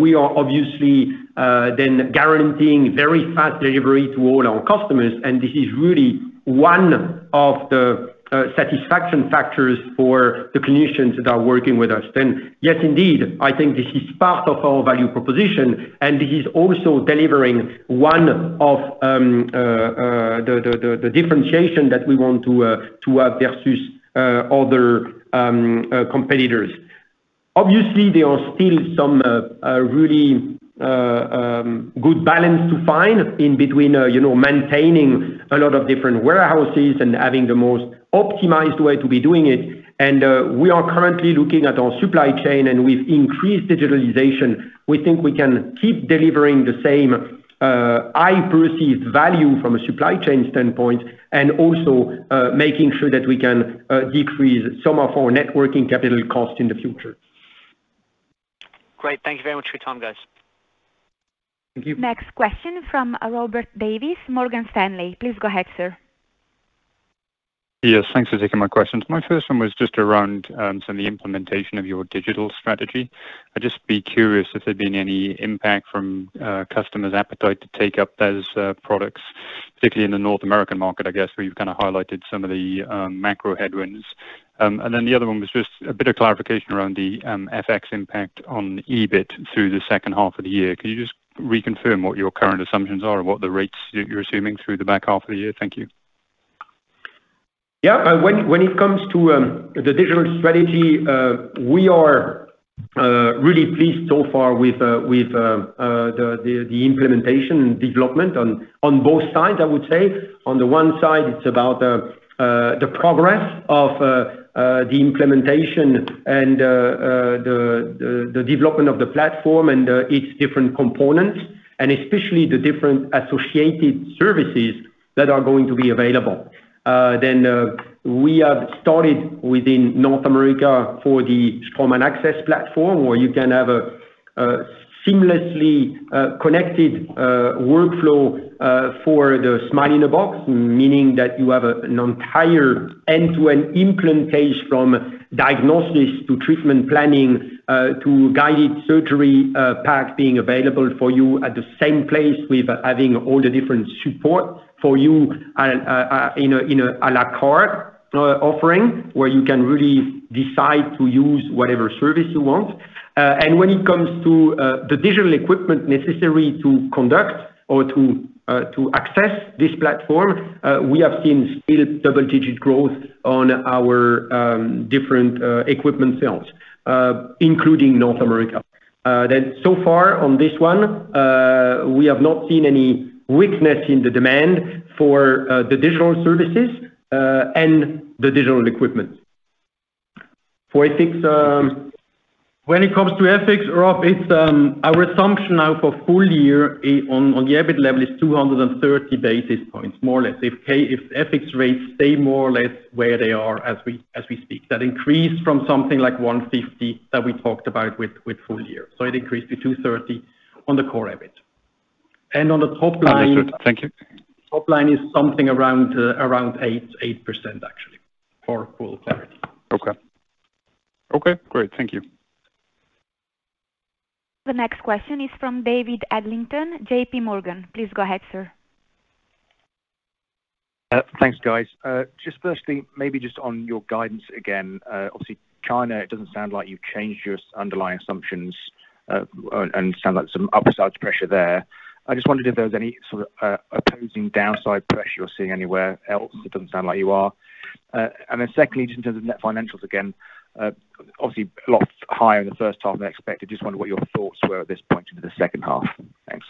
we are obviously then guaranteeing very fast delivery to all our customers, and this is really one of the satisfaction factors for the clinicians that are working with us. Yes, indeed, I think this is part of our value proposition, and this is also delivering one of the, the, the differentiation that we want to have versus other competitors. Obviously, there are still some, a really, good balance to find in between, you know, maintaining a lot of different warehouses and having the most optimized way to be doing it. We are currently looking at our supply chain, and we've increased digitalization. We think we can keep delivering the same, high perceived value from a supply chain standpoint, and also, making sure that we can, decrease some of our networking capital cost in the future. Great. Thank you very much for your time, guys. Thank you. Next question from Robert Davies, Morgan Stanley. Please go ahead, sir. Yes, thanks for taking my questions. My first one was just around, some of the implementation of your digital strategy. I'd just be curious if there had been any impact from, customers' appetite to take up those, products, particularly in the North American market, I guess, where you've kind of highlighted some of the, macro headwinds. The other one was just a bit of clarification around the FX impact on EBIT through the second half of the year. Can you just reconfirm what your current assumptions are and what the rates you, you're assuming through the back half of the year? Thank you. Yeah, when, when it comes to the digital strategy, we are really pleased so far with with the the the implementation and development on on both sides, I would say. On the one side, it's about the progress of the implementation and the the the development of the platform and its different components, and especially the different associated services that are going to be available. We have started within North America for the Straumann AXS platform, where you can have a seamlessly connected workflow for the Smile in a Box, meaning that you have an entire end-to-end implant case, from diagnosis, to treatment planning, to guided surgery pack being available for you at the same place with having all the different support for you and in a la carte offering, where you can really decide to use whatever service you want. When it comes to the digital equipment necessary to conduct or to access this platform, we have seen still double-digit growth on our different equipment sales, including North America. So far on this one, we have not seen any weakness in the demand for the digital services and the digital equipment. For FX, when it comes to FX, Rob, it's our assumption now for full year on the EBIT level is 230 basis points, more or less. If the FX rates stay more or less where they are as we, as we speak. That increased from something like 150, that we talked about with full year, so it increased to 230 on the core EBIT. On the top line- Understood. Thank you. Top line is something around, around 8%, actually, for full clarity. Okay. Okay, great. Thank you. The next question is from David Adlington, JPMorgan. Please go ahead, sir. Thanks, guys. Just 1st, maybe just on your guidance again. Obviously, China, it doesn't sound like you've changed your underlying assumptions, and sounds like some upside pressure there. I just wondered if there was any sort of, opposing downside pressure you're seeing anywhere else? It doesn't sound like you are. Then 2nd, just in terms of net financials, again, obviously a lot higher in the 1st half than expected. Just wonder what your thoughts were at this point in the 2nd half. Thanks.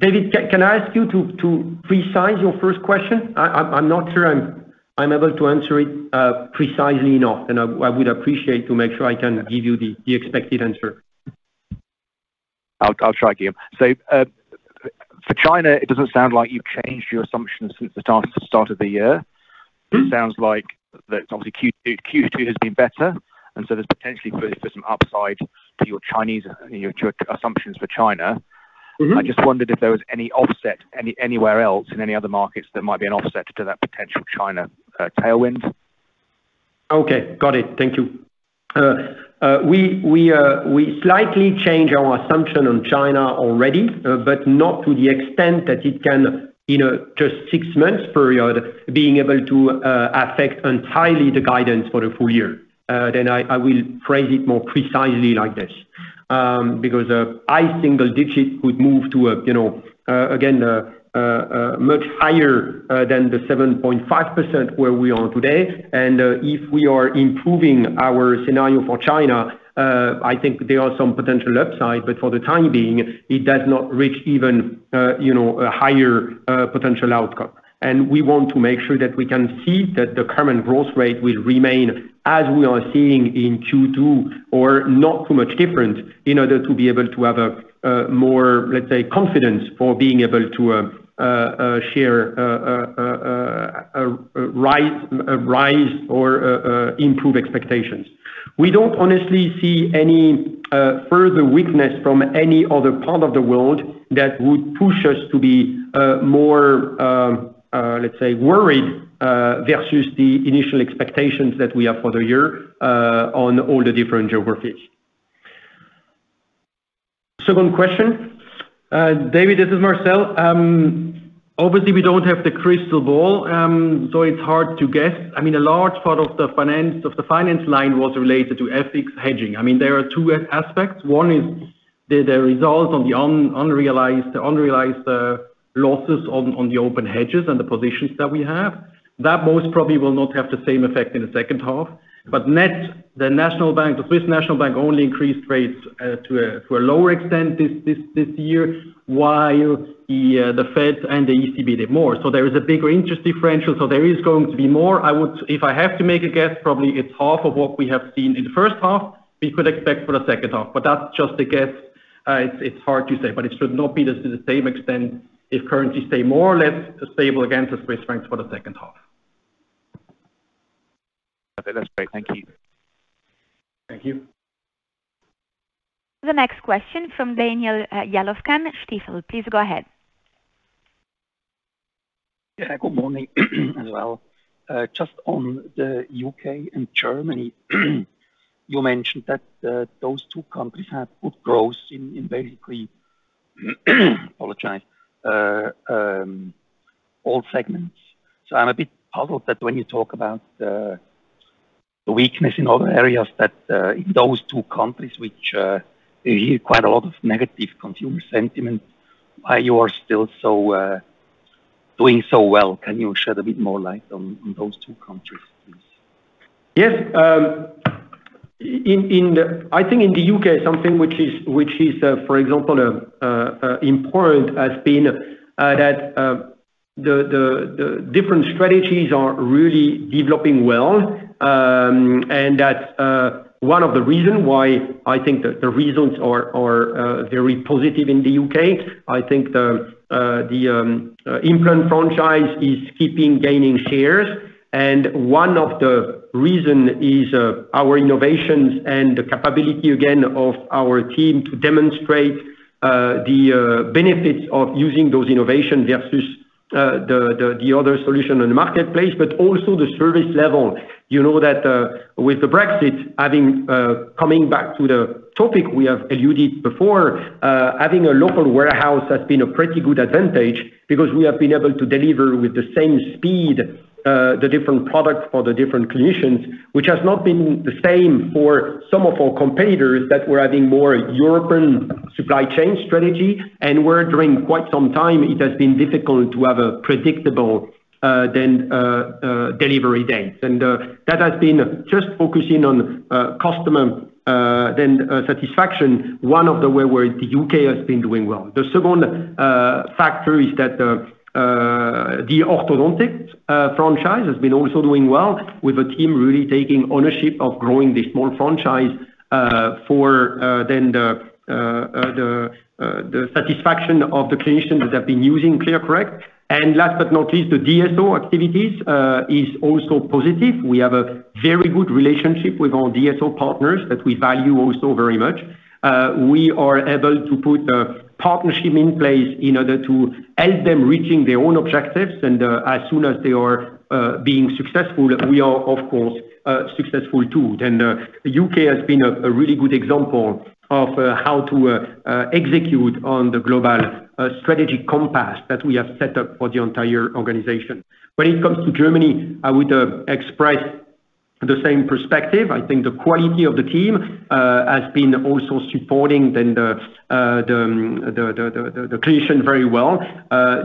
David, can I ask you to, to precise your first question? I, I'm, I'm not sure I'm, I'm able to answer it, precisely enough, and I, I would appreciate to make sure I can give you the, the expected answer. I'll try again. For China, it doesn't sound like you've changed your assumptions since the start of the year. It sounds like that obviously Q2, Q2 has been better, and so there's potentially for some upside to your Chinese. Your assumptions for China. I just wondered if there was any offset anywhere else, in any other markets, that might be an offset to that potential China tailwind? Okay, got it. Thank you. We, we, we slightly changed our assumption on China already, but not to the extent that it can, in a just 6 months period, being able to affect entirely the guidance for the full year. I, I will phrase it more precisely like this, because high single digits could move to a, you know, again, a much higher than the 7.5% where we are today. If we are improving our scenario for China, I think there are some potential upside, but for the time being, it does not reach even, you know, a higher potential outcome. We want to make sure that we can see that the current growth rate will remain as we are seeing in Q2, or not too much different, in order to be able to have a more, let's say, confidence for being able to share a rise, a rise or improve expectations. We don't honestly see any further weakness from any other part of the world that would push us to be more, let's say, worried versus the initial expectations that we have for the year on all the different geographies. Second question. David, this is Marcel. Obviously, we don't have the crystal ball, so it's hard to guess. I mean, a large part of the finance, of the finance line was related to FX hedging. I mean, there are two aspects. One is the, the result on the unrealized, unrealized, losses on, on the open hedges and the positions that we have. That most probably will not have the same effect in the second half. Net, the National Bank, the Swiss National Bank, only increased rates to a lower extent this, this, this year, while the Fed and the ECB did more. There is a bigger interest differential, so there is going to be more. If I have to make a guess, probably it's half of what we have seen in the first half, we could expect for the second half, but that's just a guess. It's, it's hard to say, but it should not be the, the same extent if currencies stay more or less stable against the Swiss franc for the second half. Okay. That's great. Thank you. Thank you. The next question from Daniel Jelovcan, Stifel. Please go ahead. Yeah, good morning, as well. just on the UK and Germany, you mentioned that, those two countries had good growth in, in basically, apologize, all segments. I'm a bit puzzled that when you talk about the weakness in other areas that, in those two countries, which, you hear quite a lot of negative consumer sentiment, why you are still so, doing so well? Can you shed a bit more light on, on those two countries, please? Yes, in the I think in the UK, something which is, which is, for example, important has been that the different strategies are really developing well. That's one of the reason why I think the results are very positive in the UK. I think the implant franchise is keeping gaining shares, and one of the reason is our innovations and the capability, again, of our team to demonstrate the benefits of using those innovation versus the other solution in the marketplace, but also the service level. You know that, with the Brexit, having, coming back to the topic we have alluded before, having a local warehouse has been a pretty good advantage because we have been able to deliver with the same speed, the different products for the different clinicians, which has not been the same for some of our competitors that were having more European supply chain strategy. Where during quite some time, it has been difficult to have a predictable, then, delivery date. That has been just focusing on, customer, then, satisfaction, one of the way where the UK has been doing well. The second factor is that the orthodontic franchise has been also doing well with the team really taking ownership of growing the small franchise for then the satisfaction of the clinicians that have been using ClearCorrect. Last but not least, the DSO activities is also positive. We have a very good relationship with our DSO partners that we value also very much. We are able to put a partnership in place in order to help them reaching their own objectives, and as soon as they are being successful, we are of course, successful too. The U.K. has been a really good example of how to execute on the global strategy compass that we have set up for the entire organization. When it comes to Germany, I would express the same perspective. I think the quality of the team has been also supporting then the clinician very well.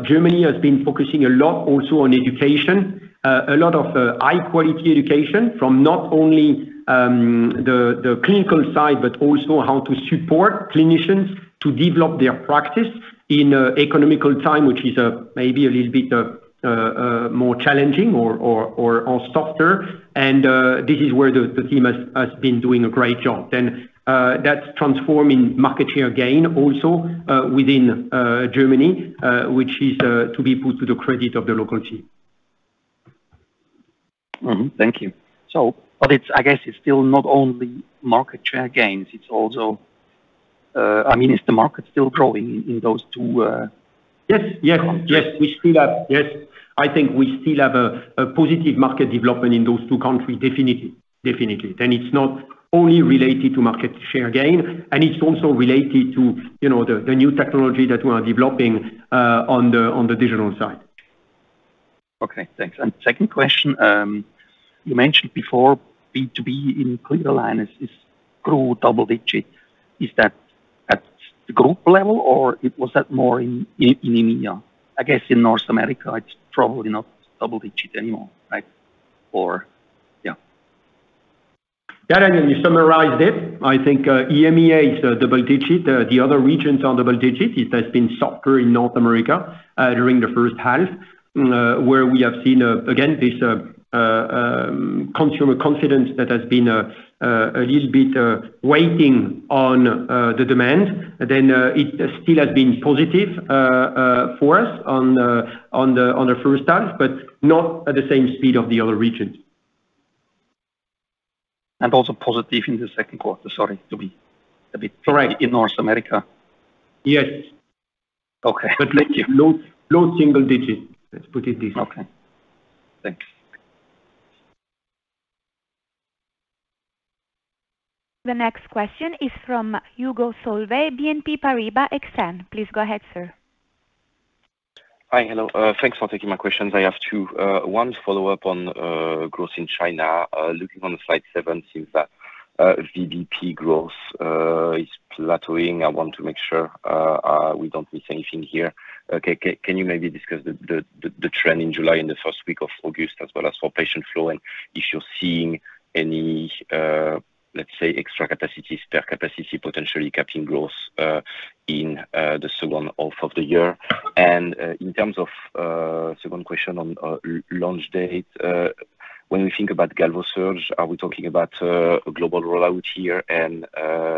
Germany has been focusing a lot also on education, a lot of high-quality education from not only the clinical side, but also how to support clinicians to develop their practice in a economical time, which is maybe a little bit more challenging or softer. This is where the team has been doing a great job. That's transforming market share gain also within Germany, which is to be put to the credit of the local team. Thank you. It's, I guess, it's still not only market share gains, it's also, I mean, is the market still growing in, in those two? Yes, yes. countries? Yes, I think we still have a positive market development in those two countries, definitely, definitely. It's not only related to market share gain, and it's also related to, you know, the new technology that we are developing on the digital side. Okay, thanks. Second question, you mentioned before, B2B in clear aligners is, is grew double digit. Is that at the group level, or it was that more in, in, in EMEA? I guess in North America, it's probably not double digit anymore, right? Yeah. Yeah, I mean, you summarized it. I think EMEA is double-digit. The other regions are double-digit. It has been softer in North America during the 1st half, where we have seen again this consumer confidence that has been a little bit waiting on the demand. It still has been positive for us on the, on the, on the 1st half, but not at the same speed of the other regions. Also positive in the second quarter. Sorry to be a bit. Correct. In North America. Yes. Okay. Like low, low single digits, let's put it this way. Okay. Thank you. The next question is from Hugo Solvet, BNP Paribas Exane. Please go ahead, sir. Hi. Hello, thanks for taking my questions. I have two. One follow-up on, growth in China. Looking on the slide seven, since that, VBP growth, is plateauing, I want to make sure, we don't miss anything here. Okay, can you maybe discuss the, the, the, the trend in July and the first week of August, as well as for patient flow, and if you're seeing any, let's say, extra capacity, spare capacity, potentially capping growth, in the second half of the year? In terms of, second question on, launch date, when we think about GalvoSurge, are we talking about, a global rollout here?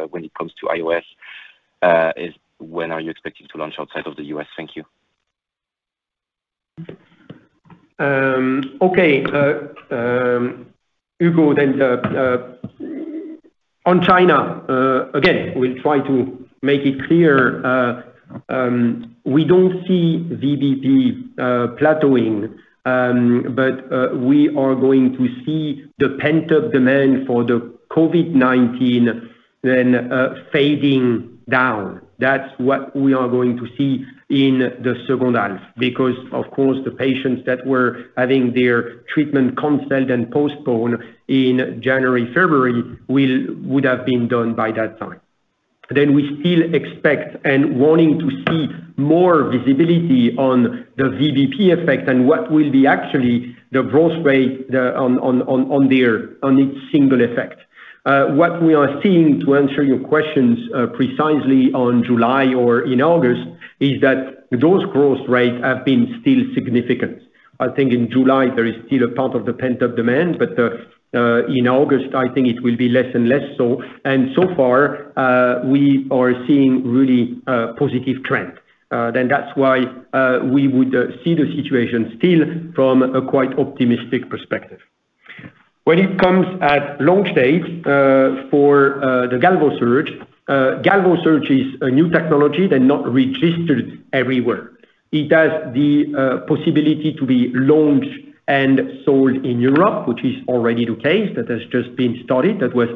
When it comes to IOS, is, when are you expecting to launch outside of the U.S.? Thank you. Okay, Hugo, then on China, again, we'll try to make it clear. We don't see VBP plateauing, but we are going to see the pent-up demand for the COVID-19 then fading down. That's what we are going to see in the second half, because, of course, the patients that were having their treatment canceled and postponed in January, February, would have been done by that time. We still expect and wanting to see more visibility on the VBP effect and what will be actually the growth rate, the, on, on, on, on their, on each single effect. What we are seeing, to answer your questions precisely on July or in August, is that those growth rates have been still significant. I think in July there is still a part of the pent-up demand, but in August, I think it will be less and less so. So far, we are seeing really positive trend. That's why we would see the situation still from a quite optimistic perspective. When it comes at launch date for the GalvoSurge, GalvoSurge is a new technology, they're not registered everywhere. It has the possibility to be launched and sold in Europe, which is already the case. That has just been started. That was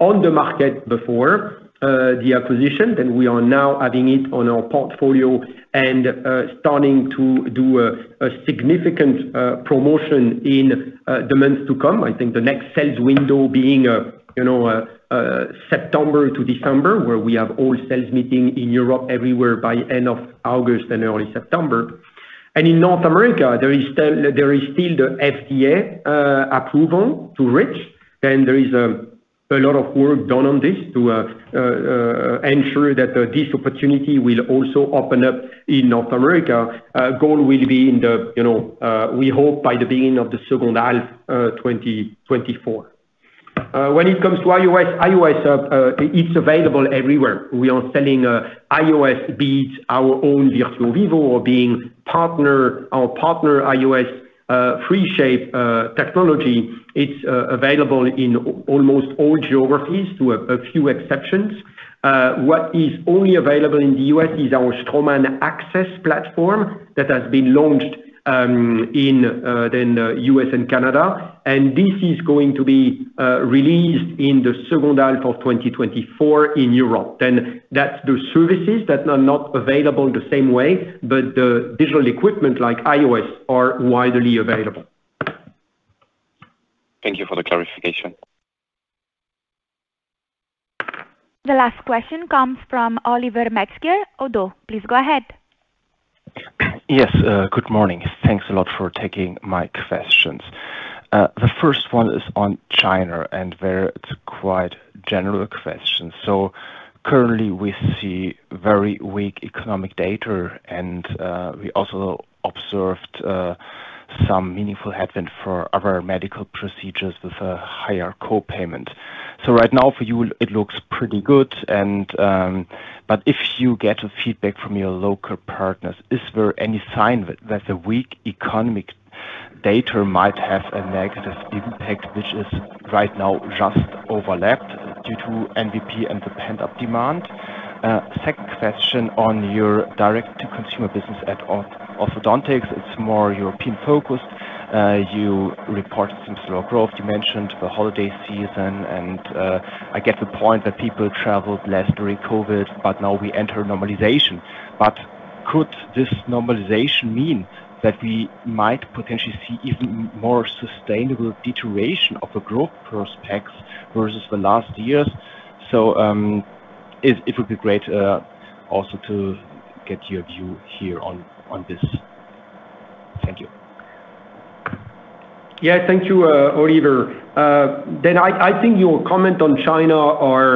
on the market before the acquisition, and we are now adding it on our portfolio and starting to do a significant promotion in the months to come. I think the next sales window being a, you know, September to December, where we have all sales meeting in Europe everywhere by end of August and early September. In North America, there is still, there is still the FDA approval to reach, and there is a lot of work done on this to ensure that this opportunity will also open up in North America. Our goal will be in the, you know, we hope by the beginning of the second half, 2024. When it comes to IOS, IOS, it's available everywhere. We are selling, IOS beats, our own Virtuo Vivo, or being partner, our partner IOS, 3Shape technology. It's available in almost all geographies to a few exceptions. What is only available in the U.S. is our Straumann AXS platform that has been launched in U.S. and Canada, and this is going to be released in the second half of 2024 in Europe. That's the services that are not available the same way, but the digital equipment like IOS are widely available. Thank you for the clarification. The last question comes from Oliver Metzger, Oddo. Please go ahead. Yes, good morning. Thanks a lot for taking my questions. The first one is on China, and very, it's a quite general question. Currently, we see very weak economic data, and we also observed some meaningful headroom for other medical procedures with a higher co-payment. Right now, for you, it looks pretty good and, if you get a feedback from your local partners, is there any sign that the weak economic data might have a negative impact, which is right now just overlapped due to VBP and the pent-up demand? Second question on your direct-to-consumer business at Orthodontics, it's more European focused. You reported some slow growth. You mentioned the holiday season, and I get the point that people traveled less during COVID, but now we enter normalization. Could this normalization mean that we might potentially see even more sustainable deterioration of the growth prospects versus the last years? It, it would be great, also to get your view here on, on this. Thank you. Yeah, thank you, Oliver. I think your comment on China are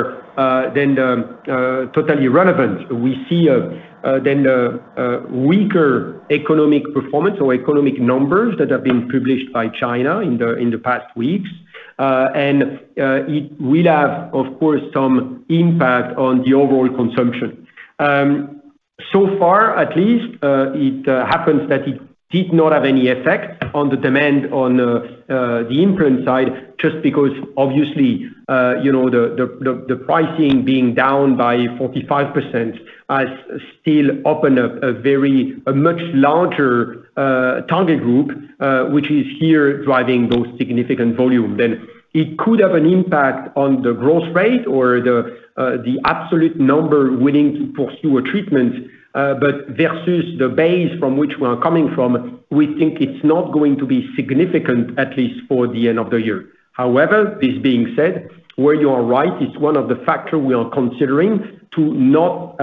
totally relevant. We see the weaker economic performance or economic numbers that have been published by China in the past weeks, and it will have, of course, some impact on the overall consumption. So far, at least, it happens that it did not have any effect on the demand on the implant side, just because obviously, you know, the pricing being down by 45% has still opened up a very, a much larger target group, which is here driving those significant volume. It could have an impact on the growth rate or the, the absolute number willing to pursue a treatment, but versus the base from which we are coming from, we think it's not going to be significant, at least for the end of the year. However, this being said, where you are right, it's one of the factor we are considering to not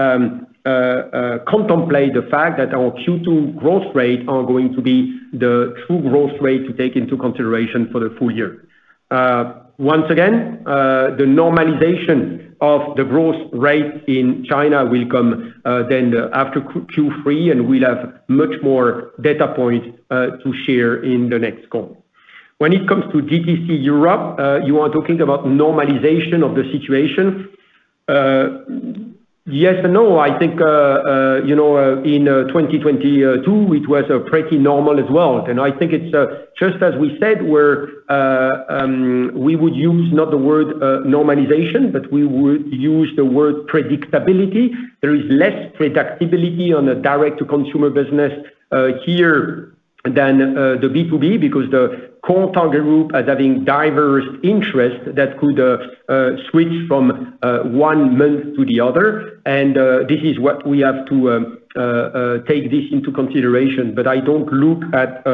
contemplate the fact that our Q2 growth rate are going to be the true growth rate to take into consideration for the full year. Once again, the normalization of the growth rate in China will come, then after Q2, Q3, and we'll have much more data points, to share in the next call. When it comes to DTC Europe, you are talking about normalization of the situation. Yes and no. I think, you know, in 2022, it was pretty normal as well. I think it's just as we said, we're we would use not the word normalization, but we would use the word predictability. There is less predictability on the direct-to-consumer business here than the B2B, because the core target group as having diverse interests that could switch from one month to the other. This is what we have to take this into consideration. I don't look at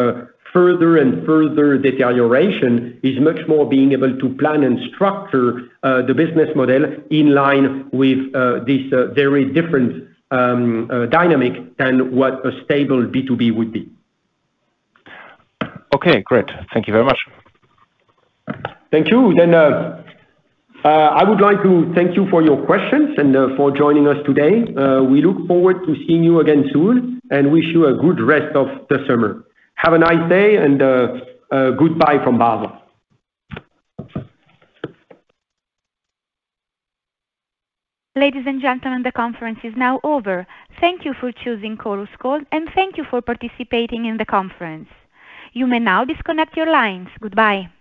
further and further deterioration, is much more being able to plan and structure the business model in line with this very different dynamic than what a stable B2B would be. Okay, great. Thank you very much. Thank you. I would like to thank you for your questions and for joining us today. We look forward to seeing you again soon and wish you a good rest of the summer. Have a nice day, and goodbye from Basel. Ladies and gentlemen, the conference is now over. Thank you for choosing Chorus Call, and thank you for participating in the conference. You may now disconnect your lines. Goodbye.